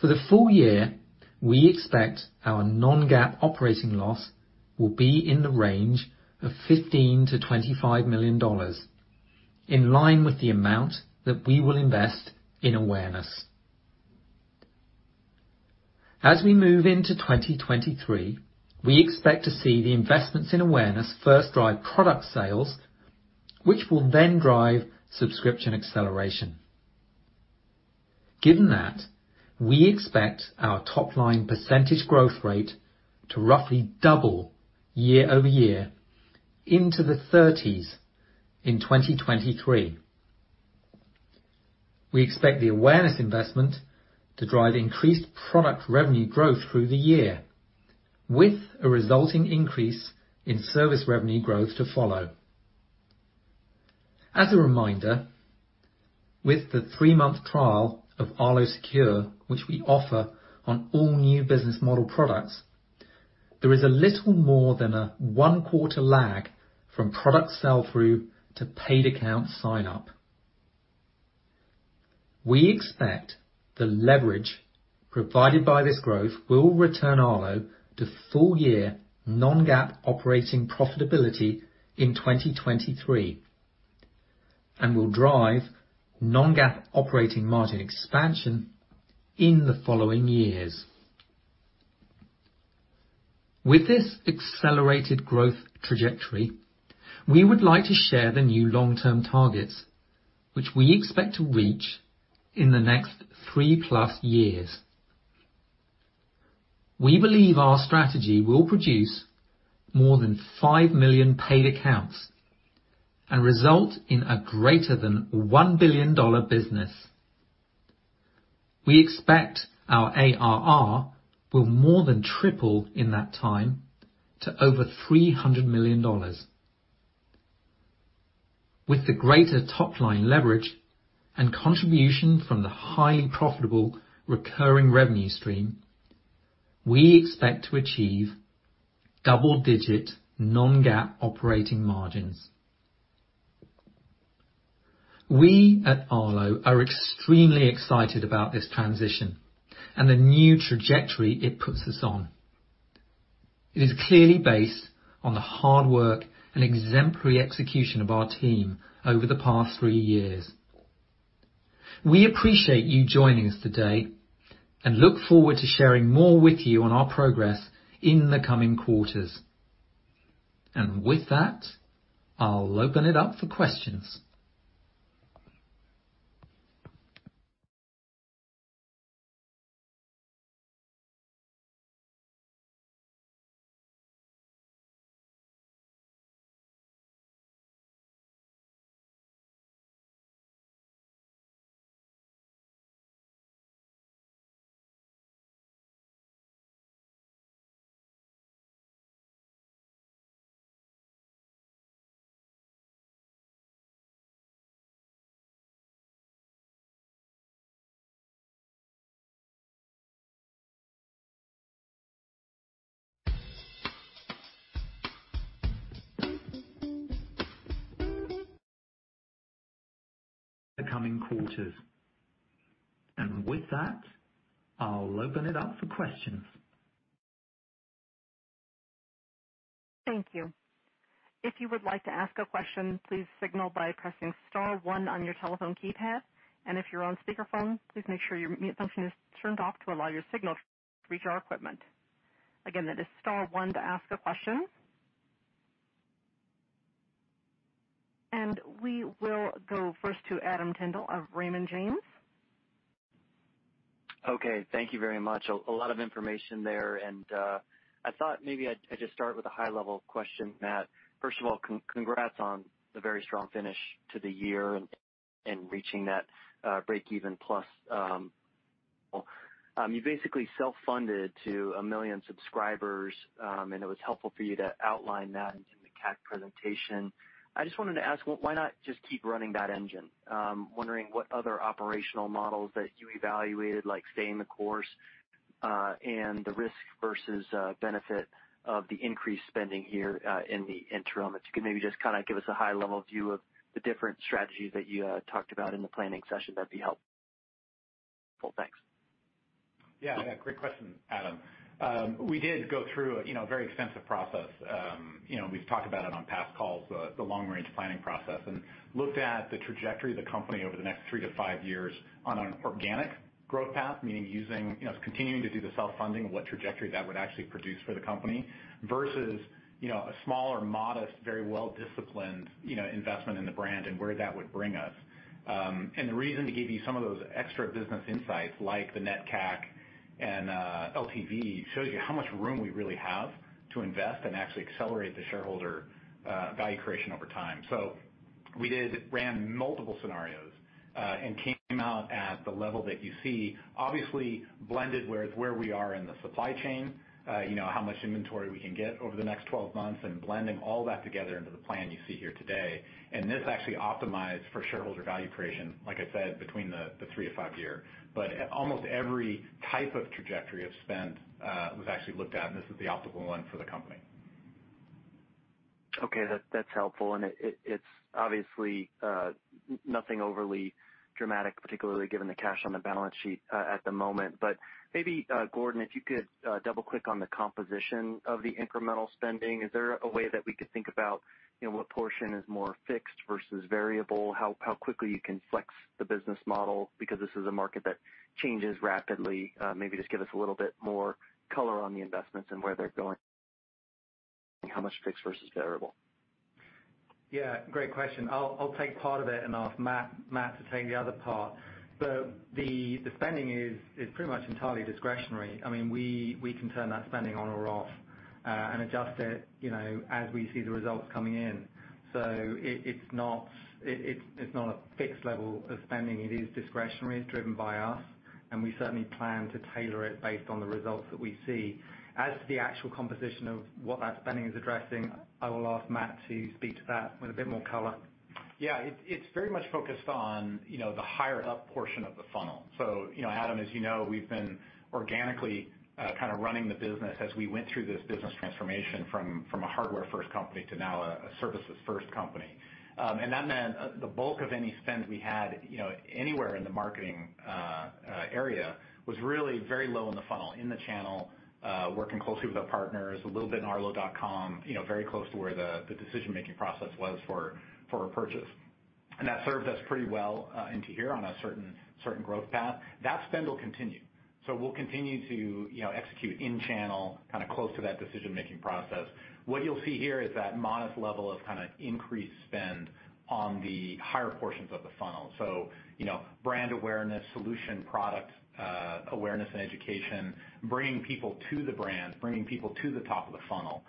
For the full year, we expect our non-GAAP operating loss will be in the range of $15 million-$25 million, in line with the amount that we will invest in awareness. As we move into 2023, we expect to see the investments in awareness first drive product sales, which will then drive subscription acceleration. Given that, we expect our top line percentage growth rate to roughly double year-over-year into the 30s in 2023. We expect the awareness investment to drive increased product revenue growth through the year with a resulting increase in service revenue growth to follow. As a reminder, with the three-month trial of Arlo Secure, which we offer on all new business model products, there is a little more than a one-quarter lag from product sell through to paid account sign up. We expect the leverage provided by this growth will return Arlo to full year non-GAAP operating profitability in 2023 and will drive non-GAAP operating margin expansion in the following years. With this accelerated growth trajectory, we would like to share the new long-term targets which we expect to reach in the next 3+ years. We believe our strategy will produce more than 5 million paid accounts and result in a greater than $1 billion business. We expect our ARR will more than triple in that time to over $300 million. With the greater top line leverage and contribution from the highly profitable recurring revenue stream, we expect to achieve double-digit non-GAAP operating margins. We at Arlo are extremely excited about this transition and the new trajectory it puts us on. It is clearly based on the hard work and exemplary execution of our team over the past three years. We appreciate you joining us today and look forward to sharing more with you on our progress in the coming quarters. With that, I'll open it up for questions. Thank you. If you would like to ask a question, please signal by pressing star one on your telephone keypad. If you're on speakerphone, please make sure your mute function is turned off to allow your signal to reach our equipment. Again, that is star one to ask a question. We will go first to Adam Tindle of Raymond James. Okay, thank you very much. A lot of information there, and I thought maybe I'd just start with a high-level question, Matt. First of all, congrats on the very strong finish to the year and reaching that break-even plus. You basically self-funded to 1 million subscribers, and it was helpful for you to outline that in the CAC presentation. I just wanted to ask, why not just keep running that engine? Wondering what other operational models that you evaluated, like staying the course, and the risk versus benefit of the increased spending here in the interim. If you could maybe just kind of give us a high-level view of the different strategies that you talked about in the planning session, that'd be helpful. Thanks. Yeah, great question, Adam. We did go through, you know, a very extensive process. You know, we've talked about it on past calls, the long-range planning process, and looked at the trajectory of the company over the next 3-5 years on an organic growth path, meaning using, you know, continuing to do the self-funding and what trajectory that would actually produce for the company versus, you know, a smaller, modest, very well-disciplined, you know, investment in the brand and where that would bring us. The reason to give you some of those extra business insights, like the net CAC and LTV, shows you how much room we really have to invest and actually accelerate the shareholder value creation over time. We did ran multiple scenarios and came out at the level that you see obviously blended where we are in the supply chain, you know, how much inventory we can get over the next 12 months, and blending all that together into the plan you see here today. This actually optimized for shareholder value creation, like I said, between the 3-5 year. Almost every type of trajectory of spend was actually looked at, and this is the optimal one for the company. Okay, that's helpful. It's obviously nothing overly dramatic, particularly given the cash on the balance sheet at the moment. Maybe, Gordon, if you could double-click on the composition of the incremental spending. Is there a way that we could think about, you know, what portion is more fixed versus variable? How quickly you can flex the business model because this is a market that changes rapidly. Maybe just give us a little bit more color on the investments and where they're going, how much fixed versus variable. Yeah, great question. I'll take part of it and ask Matt to take the other part. The spending is pretty much entirely discretionary. I mean, we can turn that spending on or off and adjust it, you know, as we see the results coming in. So it's not a fixed level of spending. It is discretionary. It's driven by us, and we certainly plan to tailor it based on the results that we see. As to the actual composition of what that spending is addressing, I will ask Matt to speak to that with a bit more color. Yeah. It's very much focused on, you know, the higher up portion of the funnel. Adam, as you know, we've been organically kind of running the business as we went through this business transformation from a hardware first company to now a services first company. That meant the bulk of any spend we had, you know, anywhere in the marketing area was really very low in the funnel, in the channel, working closely with our partners, a little bit in arlo.com, you know, very close to where the decision-making process was for a purchase. That served us pretty well into here on a certain growth path. That spend will continue. We'll continue to, you know, execute in channel, kinda close to that decision-making process. What you'll see here is that modest level of kinda increased spend on the higher portions of the funnel. You know, brand awareness, solution product, awareness and education, bringing people to the brand, bringing people to the top of the funnel,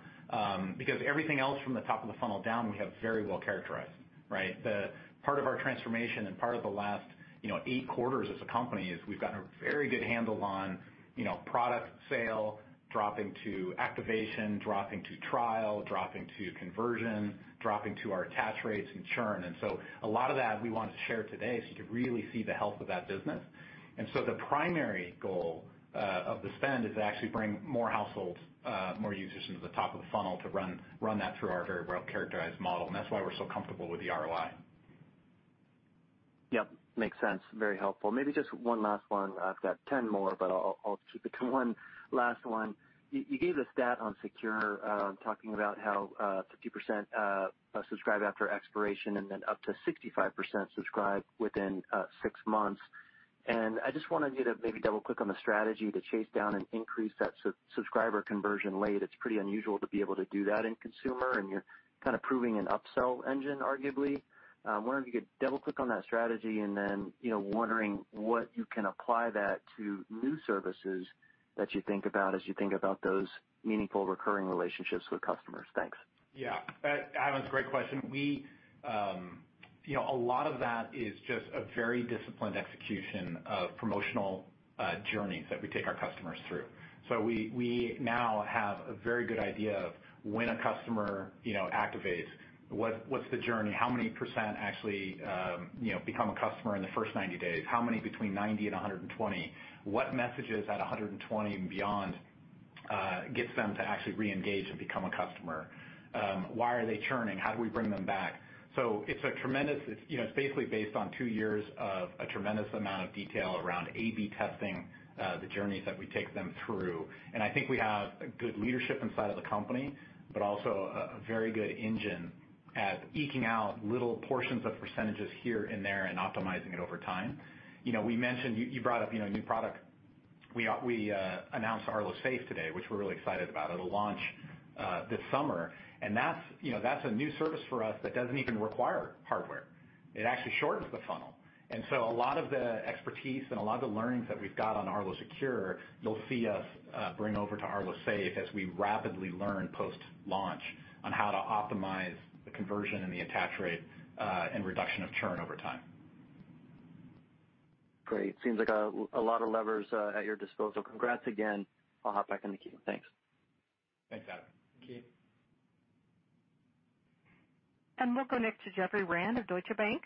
because everything else from the top of the funnel down we have very well characterized, right? The part of our transformation and part of the last, you know, eight quarters as a company is we've gotten a very good handle on, you know, product sale, dropping to activation, dropping to trial, dropping to conversion, dropping to our attach rates and churn. A lot of that we wanted to share today, so you could really see the health of that business. The primary goal of the spend is to actually bring more households, more users into the top of the funnel to run that through our very well-characterized model, and that's why we're so comfortable with the ROI. Yep. Makes sense. Very helpful. Maybe just one last one. I've got 10 more, but I'll keep it to one last one. You gave the stat on Secure, talking about how 50% subscribe after expiration and then up to 65% subscribe within six months. I just wanted you to maybe double click on the strategy to chase down and increase that subscriber conversion rate. It's pretty unusual to be able to do that in consumer, and you're kinda proving an upsell engine, arguably. Wondering if you could double click on that strategy and then, you know, wondering what you can apply that to new services that you think about as you think about those meaningful recurring relationships with customers. Thanks. Yeah. Adam, it's a great question. We you know, a lot of that is just a very disciplined execution of promotional journeys that we take our customers through. So we now have a very good idea of when a customer you know, activates, what's the journey? How many % actually you know, become a customer in the first 90 days? How many between 90 and 120? What messages at 120 and beyond gets them to actually reengage and become a customer? Why are they churning? How do we bring them back? So it's a tremendous you know, it's basically based on two years of a tremendous amount of detail around A/B testing the journeys that we take them through. I think we have a good leadership inside of the company, but also a very good engine at eking out little portions of percentages here and there and optimizing it over time. You know, we mentioned, you brought up, you know, a new product. We announced Arlo Safe today, which we're really excited about. It'll launch this summer. That's, you know, a new service for us that doesn't even require hardware. It actually shortens the funnel. A lot of the expertise and a lot of the learnings that we've got on Arlo Secure, you'll see us bring over to Arlo Safe as we rapidly learn post-launch on how to optimize the conversion and the attach rate and reduction of churn over time. Great. Seems like a lot of levers at your disposal. Congrats again. I'll hop back in the queue. Thanks. Thanks, Adam. Thank you. We'll go next to Jeffrey Rand of Deutsche Bank.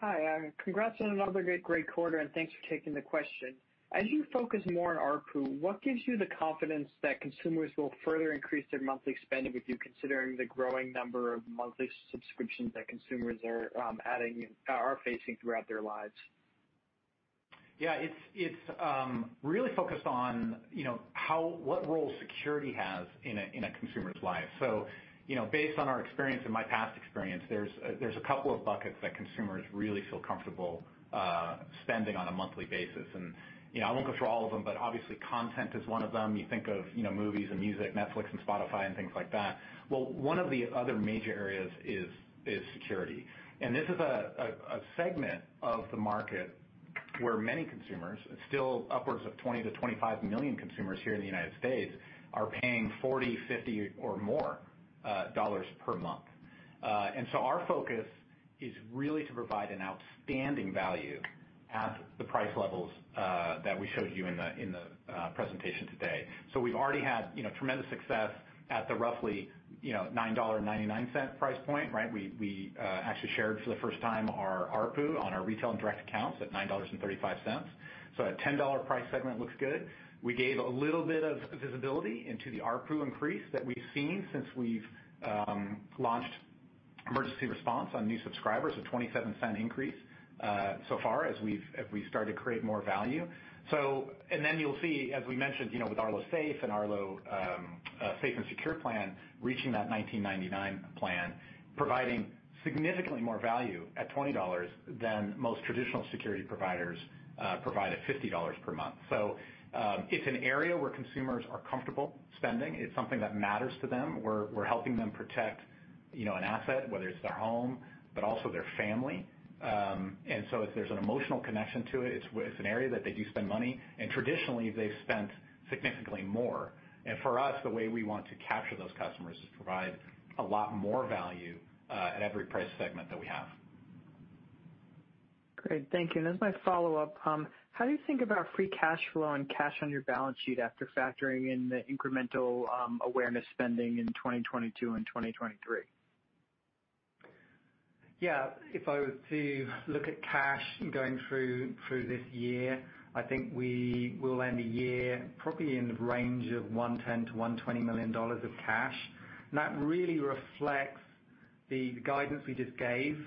Hi. Congrats on another great quarter, and thanks for taking the question. As you focus more on ARPU, what gives you the confidence that consumers will further increase their monthly spending with you considering the growing number of monthly subscriptions that consumers are adding and are facing throughout their lives? Yeah. It's really focused on, you know, what role security has in a consumer's life. You know, based on our experience and my past experience, there's a couple of buckets that consumers really feel comfortable spending on a monthly basis. You know, I won't go through all of them, but obviously content is one of them. You think of, you know, movies and music, Netflix and Spotify and things like that. One of the other major areas is security. This is a segment of the market where many consumers, it's still upwards of 20 million-25 million consumers here in the United States, are paying $40, $50 or more dollars per month. Our focus is really to provide an outstanding value at the price levels that we showed you in the presentation today. We've already had, you know, tremendous success at the roughly, you know, $9.99 price point, right? We actually shared for the first time our ARPU on our retail and direct accounts at $9.35. That $10 price segment looks good. We gave a little bit of visibility into the ARPU increase that we've seen since we've launched emergency response on new subscribers of 27-cent increase so far as we start to create more value. You'll see, as we mentioned, you know, with Arlo Safe and Arlo Secure plan, reaching that $19.99 plan, providing significantly more value at $20 than most traditional security providers provide at $50 per month. It's an area where consumers are comfortable spending. It's something that matters to them, we're helping them protect, you know, an asset, whether it's their home, but also their family. If there's an emotional connection to it's an area that they do spend money, and traditionally they've spent significantly more. For us, the way we want to capture those customers is provide a lot more value at every price segment that we have. Great. Thank you. As my follow-up, how do you think about free cash flow and cash on your balance sheet after factoring in the incremental awareness spending in 2022 and 2023? Yeah. If I were to look at cash going through this year, I think we will end the year probably in the range of $110 million-$120 million of cash. That really reflects the guidance we just gave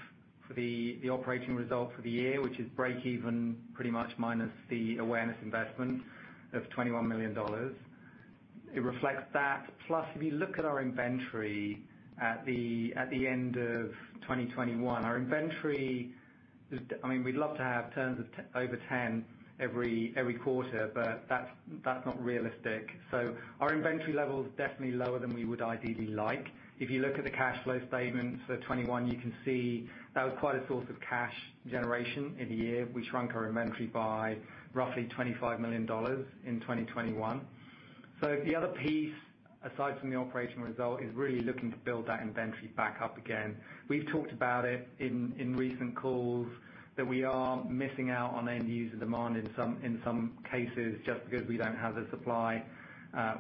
for the operating result for the year, which is break even pretty much minus the awareness investment of $21 million. It reflects that. Plus, if you look at our inventory at the end of 2021, our inventory, I mean, we'd love to have turns of over 10 every quarter, but that's not realistic. Our inventory level is definitely lower than we would ideally like. If you look at the cash flow statement for 2021, you can see that was quite a source of cash generation in the year. We shrunk our inventory by roughly $25 million in 2021. The other piece, aside from the operational result, is really looking to build that inventory back up again. We've talked about it in recent calls that we are missing out on end user demand in some cases just because we don't have the supply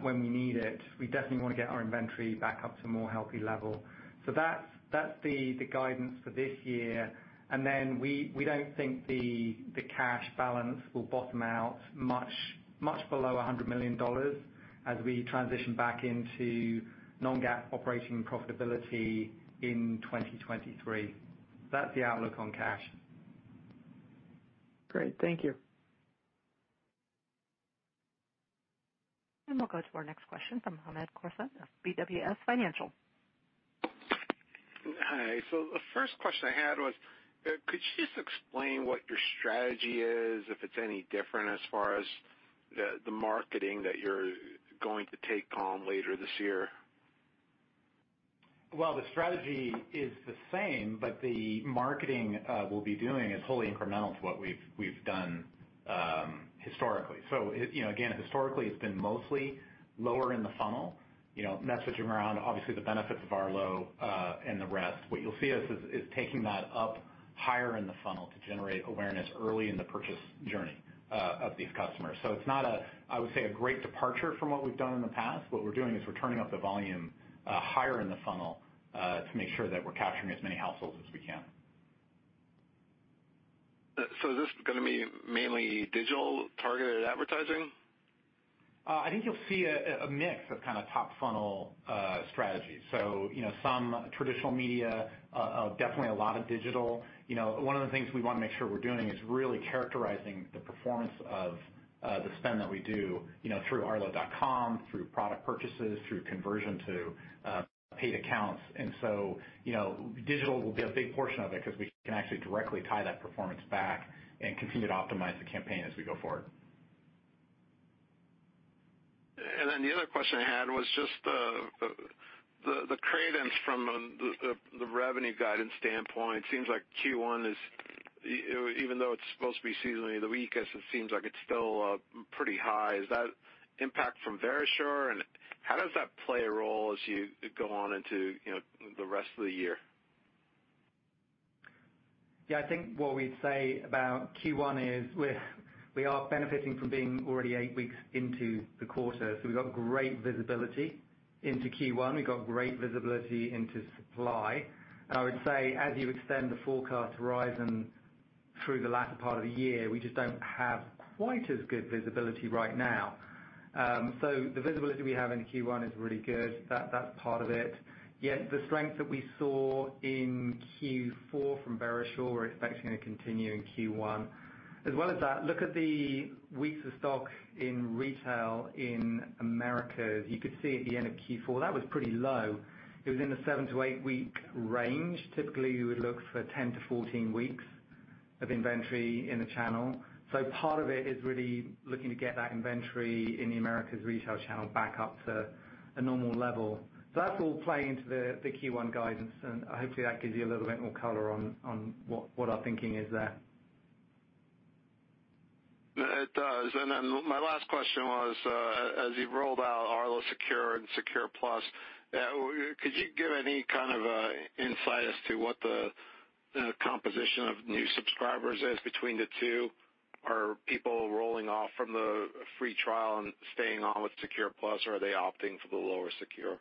when we need it. We definitely want to get our inventory back up to a more healthy level. That's the guidance for this year. We don't think the cash balance will bottom out much below $100 million as we transition back into non-GAAP operating profitability in 2023. That's the outlook on cash. Great. Thank you. We'll go to our next question from Hamed Khorsand of BWS Financial. Hi. The first question I had was, could you just explain what your strategy is, if it's any different as far as the marketing that you're going to take on later this year? Well, the strategy is the same, but the marketing we'll be doing is wholly incremental to what we've done historically. You know, again, historically, it's been mostly lower in the funnel, you know, messaging around obviously the benefits of Arlo and the rest. What you'll see is taking that up higher in the funnel to generate awareness early in the purchase journey of these customers. It's not, I would say, a great departure from what we've done in the past. What we're doing is we're turning up the volume higher in the funnel to make sure that we're capturing as many households as we can. Is this gonna be mainly digital targeted advertising? I think you'll see a mix of kinda top funnel strategies. You know, some traditional media, definitely a lot of digital. You know, one of the things we wanna make sure we're doing is really characterizing the performance of the spend that we do, you know, through arlo.com, through product purchases, through conversion to paid accounts. You know, digital will be a big portion of it 'cause we can actually directly tie that performance back and continue to optimize the campaign as we go forward. The other question I had was just the cadence from the revenue guidance standpoint. Seems like Q1 is even though it's supposed to be seasonally the weakest, it seems like it's still pretty high. Is that impact from Verisure? How does that play a role as you go on into, you know, the rest of the year? Yeah, I think what we'd say about Q1 is we are benefiting from being already 8 weeks into the quarter. We've got great visibility into Q1. We've got great visibility into supply. I would say, as you extend the forecast horizon through the latter part of the year, we just don't have quite as good visibility right now. The visibility we have into Q1 is really good. That's part of it. Yet the strength that we saw in Q4 from Verisure, we're expecting to continue in Q1. As well as that, look at the weeks of stock in retail in Americas. You could see at the end of Q4, that was pretty low. It was in the 7-8 week range. Typically, we would look for 10-14 weeks of inventory in the channel. Part of it is really looking to get that inventory in the Americas retail channel back up to a normal level. That's all playing to the Q1 guidance, and hopefully that gives you a little bit more color on what our thinking is there. It does. My last question was, as you rolled out Arlo Secure and Secure Plus, could you give any kind of a insight as to what the composition of new subscribers is between the two? Are people rolling off from the free trial and staying on with Secure Plus, or are they opting for the lower Secure?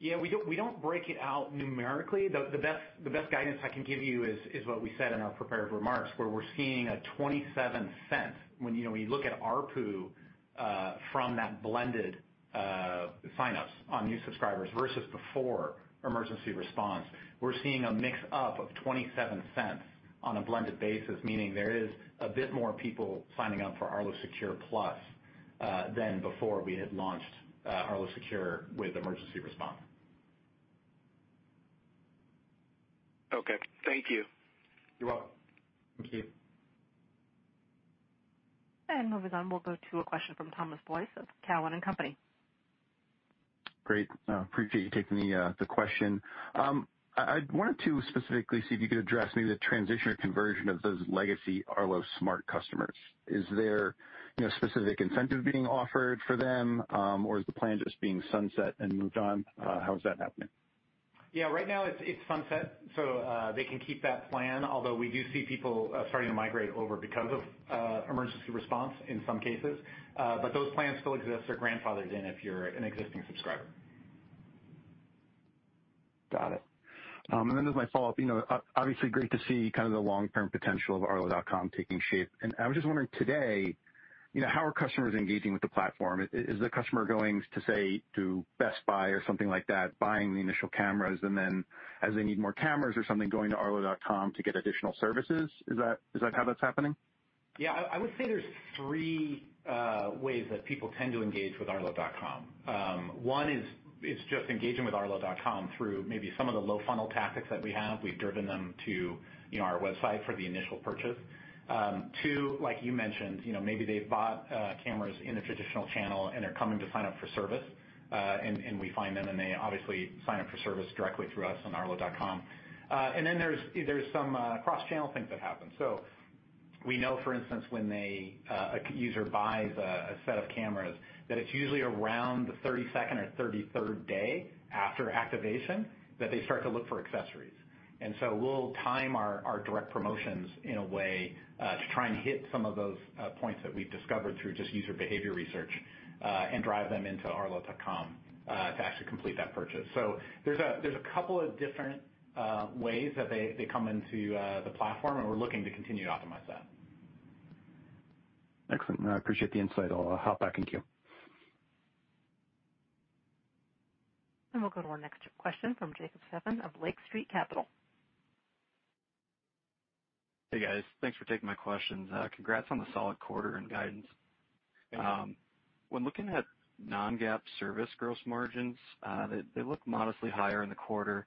Yeah, we don't break it out numerically. The best guidance I can give you is what we said in our prepared remarks, where we're seeing a $0.27, you know, when you look at ARPU from that blended sign-ups on new subscribers versus before emergency response. We're seeing a mix up of $0.27 on a blended basis, meaning there is a bit more people signing up for Arlo Secure Plus than before we had launched Arlo Secure with emergency response. Okay, thank you. You're welcome. Thank you. Moving on, we'll go to a question from Thomas Boyes of Cowen and Company. Great. Appreciate you taking the question. I wanted to specifically see if you could address maybe the transition or conversion of those legacy Arlo Smart customers. Is there specific incentive being offered for them, or is the plan just being sunset and moved on? How is that happening? Yeah, right now it's sunset, so they can keep that plan, although we do see people starting to migrate over because of emergency response in some cases. Those plans still exist. They're grandfathered in if you're an existing subscriber. Got it. As my follow-up, you know, obviously great to see kind of the long-term potential of arlo.com taking shape. I was just wondering today, you know, how are customers engaging with the platform? Is the customer going to, say, to Best Buy or something like that, buying the initial cameras and then as they need more cameras or something, going to arlo.com to get additional services? Is that how that's happening? Yeah, I would say there's three ways that people tend to engage with arlo.com. One is just engaging with arlo.com through maybe some of the low funnel tactics that we have. We've driven them to, you know, our website for the initial purchase. Two, like you mentioned, you know, maybe they've bought cameras in a traditional channel and they're coming to sign up for service, and we find them, and they obviously sign up for service directly through us on arlo.com. There's some cross-channel things that happen. We know, for instance, when a user buys a set of cameras, that it's usually around the thirty-second or thirty-third day after activation that they start to look for accessories. We'll time our direct promotions in a way to try and hit some of those points that we've discovered through just user behavior research and drive them into arlo.com to actually complete that purchase. There's a couple of different ways that they come into the platform, and we're looking to continue to optimize that. Excellent. I appreciate the insight. I'll hop back in queue. We'll go to our next question from Jacob Stephan of Lake Street Capital. Hey, guys. Thanks for taking my questions. Congrats on the solid quarter and guidance. When looking at non-GAAP service gross margins, they look modestly higher in the quarter.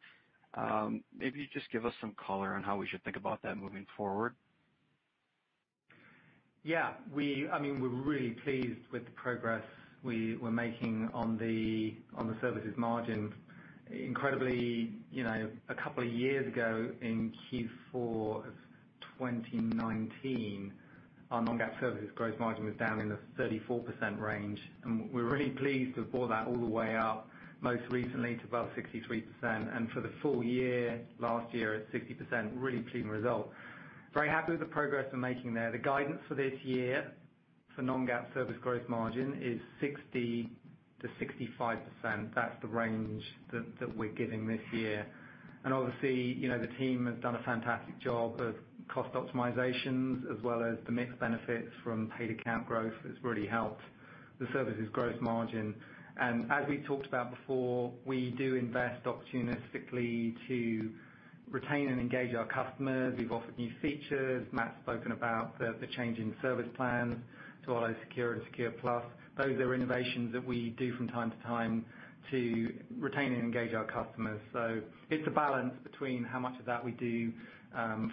Maybe just give us some color on how we should think about that moving forward. Yeah, I mean, we're really pleased with the progress we were making on the services margin. Incredibly, you know, a couple of years ago in Q4 of 2019, our non-GAAP services growth margin was down in the 34% range, and we're really pleased to have brought that all the way up, most recently to about 63% and for the full year, last year at 60%. Really clean result. Very happy with the progress we're making there. The guidance for this year for non-GAAP service growth margin is 60%-65%. That's the range that we're giving this year. Obviously, you know, the team has done a fantastic job of cost optimizations as well as the mix benefits from paid account growth has really helped the services growth margin. As we talked about before, we do invest opportunistically to retain and engage our customers. We've offered new features. Matt's spoken about the change in service plans to Arlo Secure to Secure Plus. Those are innovations that we do from time to time to retain and engage our customers. It's a balance between how much of that we do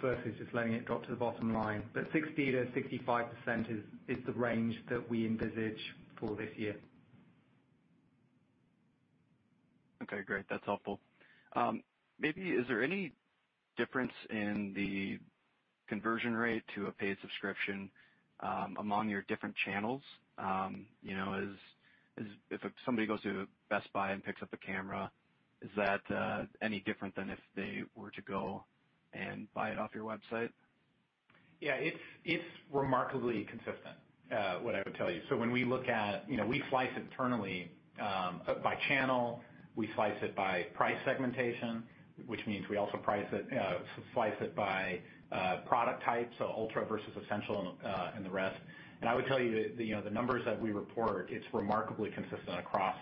versus just letting it drop to the bottom line. 60%-65% is the range that we envisage for this year. Okay, great. That's helpful. Maybe is there any difference in the conversion rate to a paid subscription among your different channels? You know, is if somebody goes to Best Buy and picks up a camera, is that any different than if they were to go and buy it off your website? Yeah. It's remarkably consistent, what I would tell you. When we look at, you know, we slice internally by channel, we slice it by price segmentation, which means we also slice it by product type, so Ultra versus Essential and the rest. I would tell you the, you know, the numbers that we report, it's remarkably consistent across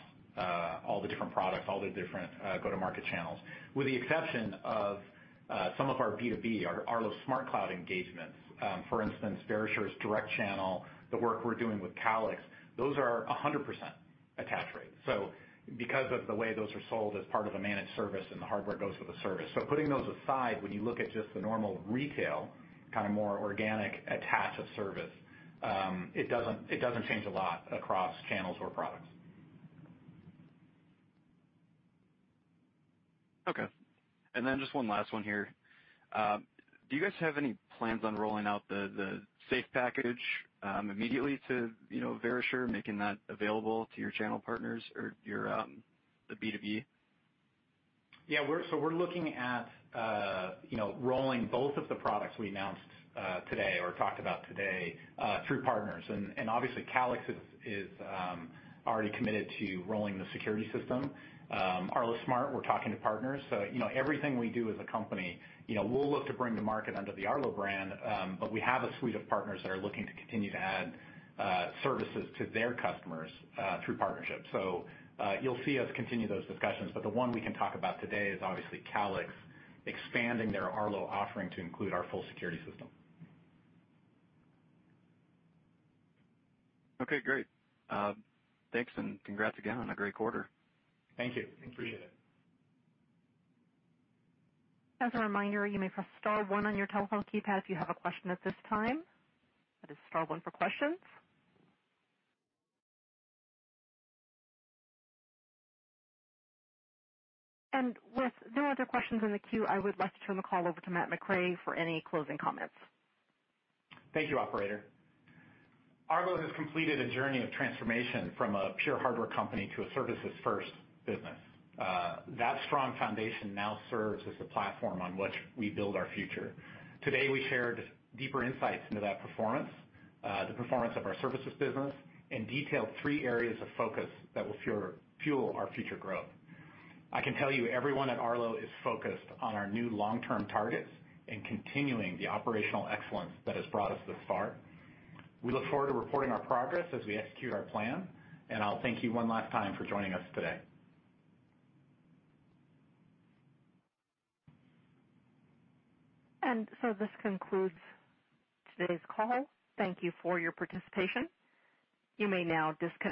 all the different products, all the different go-to-market channels. With the exception of some of our B2B, our Arlo SmartCloud engagements, for instance, Verisure's direct channel, the work we're doing with Calix, those are 100% attach rate. Because of the way those are sold as part of a managed service and the hardware goes with the service. Putting those aside, when you look at just the normal retail, kind of more organic attach of service, it doesn't change a lot across channels or products. Okay. Just one last one here. Do you guys have any plans on rolling out the safe package immediately to, you know, Verisure, making that available to your channel partners or your B2B? We're looking at rolling both of the products we announced today or talked about today through partners. Obviously Calix is already committed to rolling the security system. Arlo Smart, we're talking to partners. You know, everything we do as a company, you know, we'll look to bring to market under the Arlo brand. We have a suite of partners that are looking to continue to add services to their customers through partnerships. You'll see us continue those discussions. The one we can talk about today is obviously Calix expanding their Arlo offering to include our full security system. Okay, great. Thanks, and congrats again on a great quarter. Thank you. Appreciate it. As a reminder, you may press star one on your telephone keypad if you have a question at this time. That is star one for questions. With no other questions in the queue, I would like to turn the call over to Matthew McRae for any closing comments. Thank you, operator. Arlo has completed a journey of transformation from a pure hardware company to a services first business. That strong foundation now serves as the platform on which we build our future. Today, we shared deeper insights into that performance, the performance of our services business, and detailed three areas of focus that will fuel our future growth. I can tell you everyone at Arlo is focused on our new long-term targets and continuing the operational excellence that has brought us this far. We look forward to reporting our progress as we execute our plan, and I'll thank you one last time for joining us today. This concludes today's call. Thank you for your participation. You may now disconnect.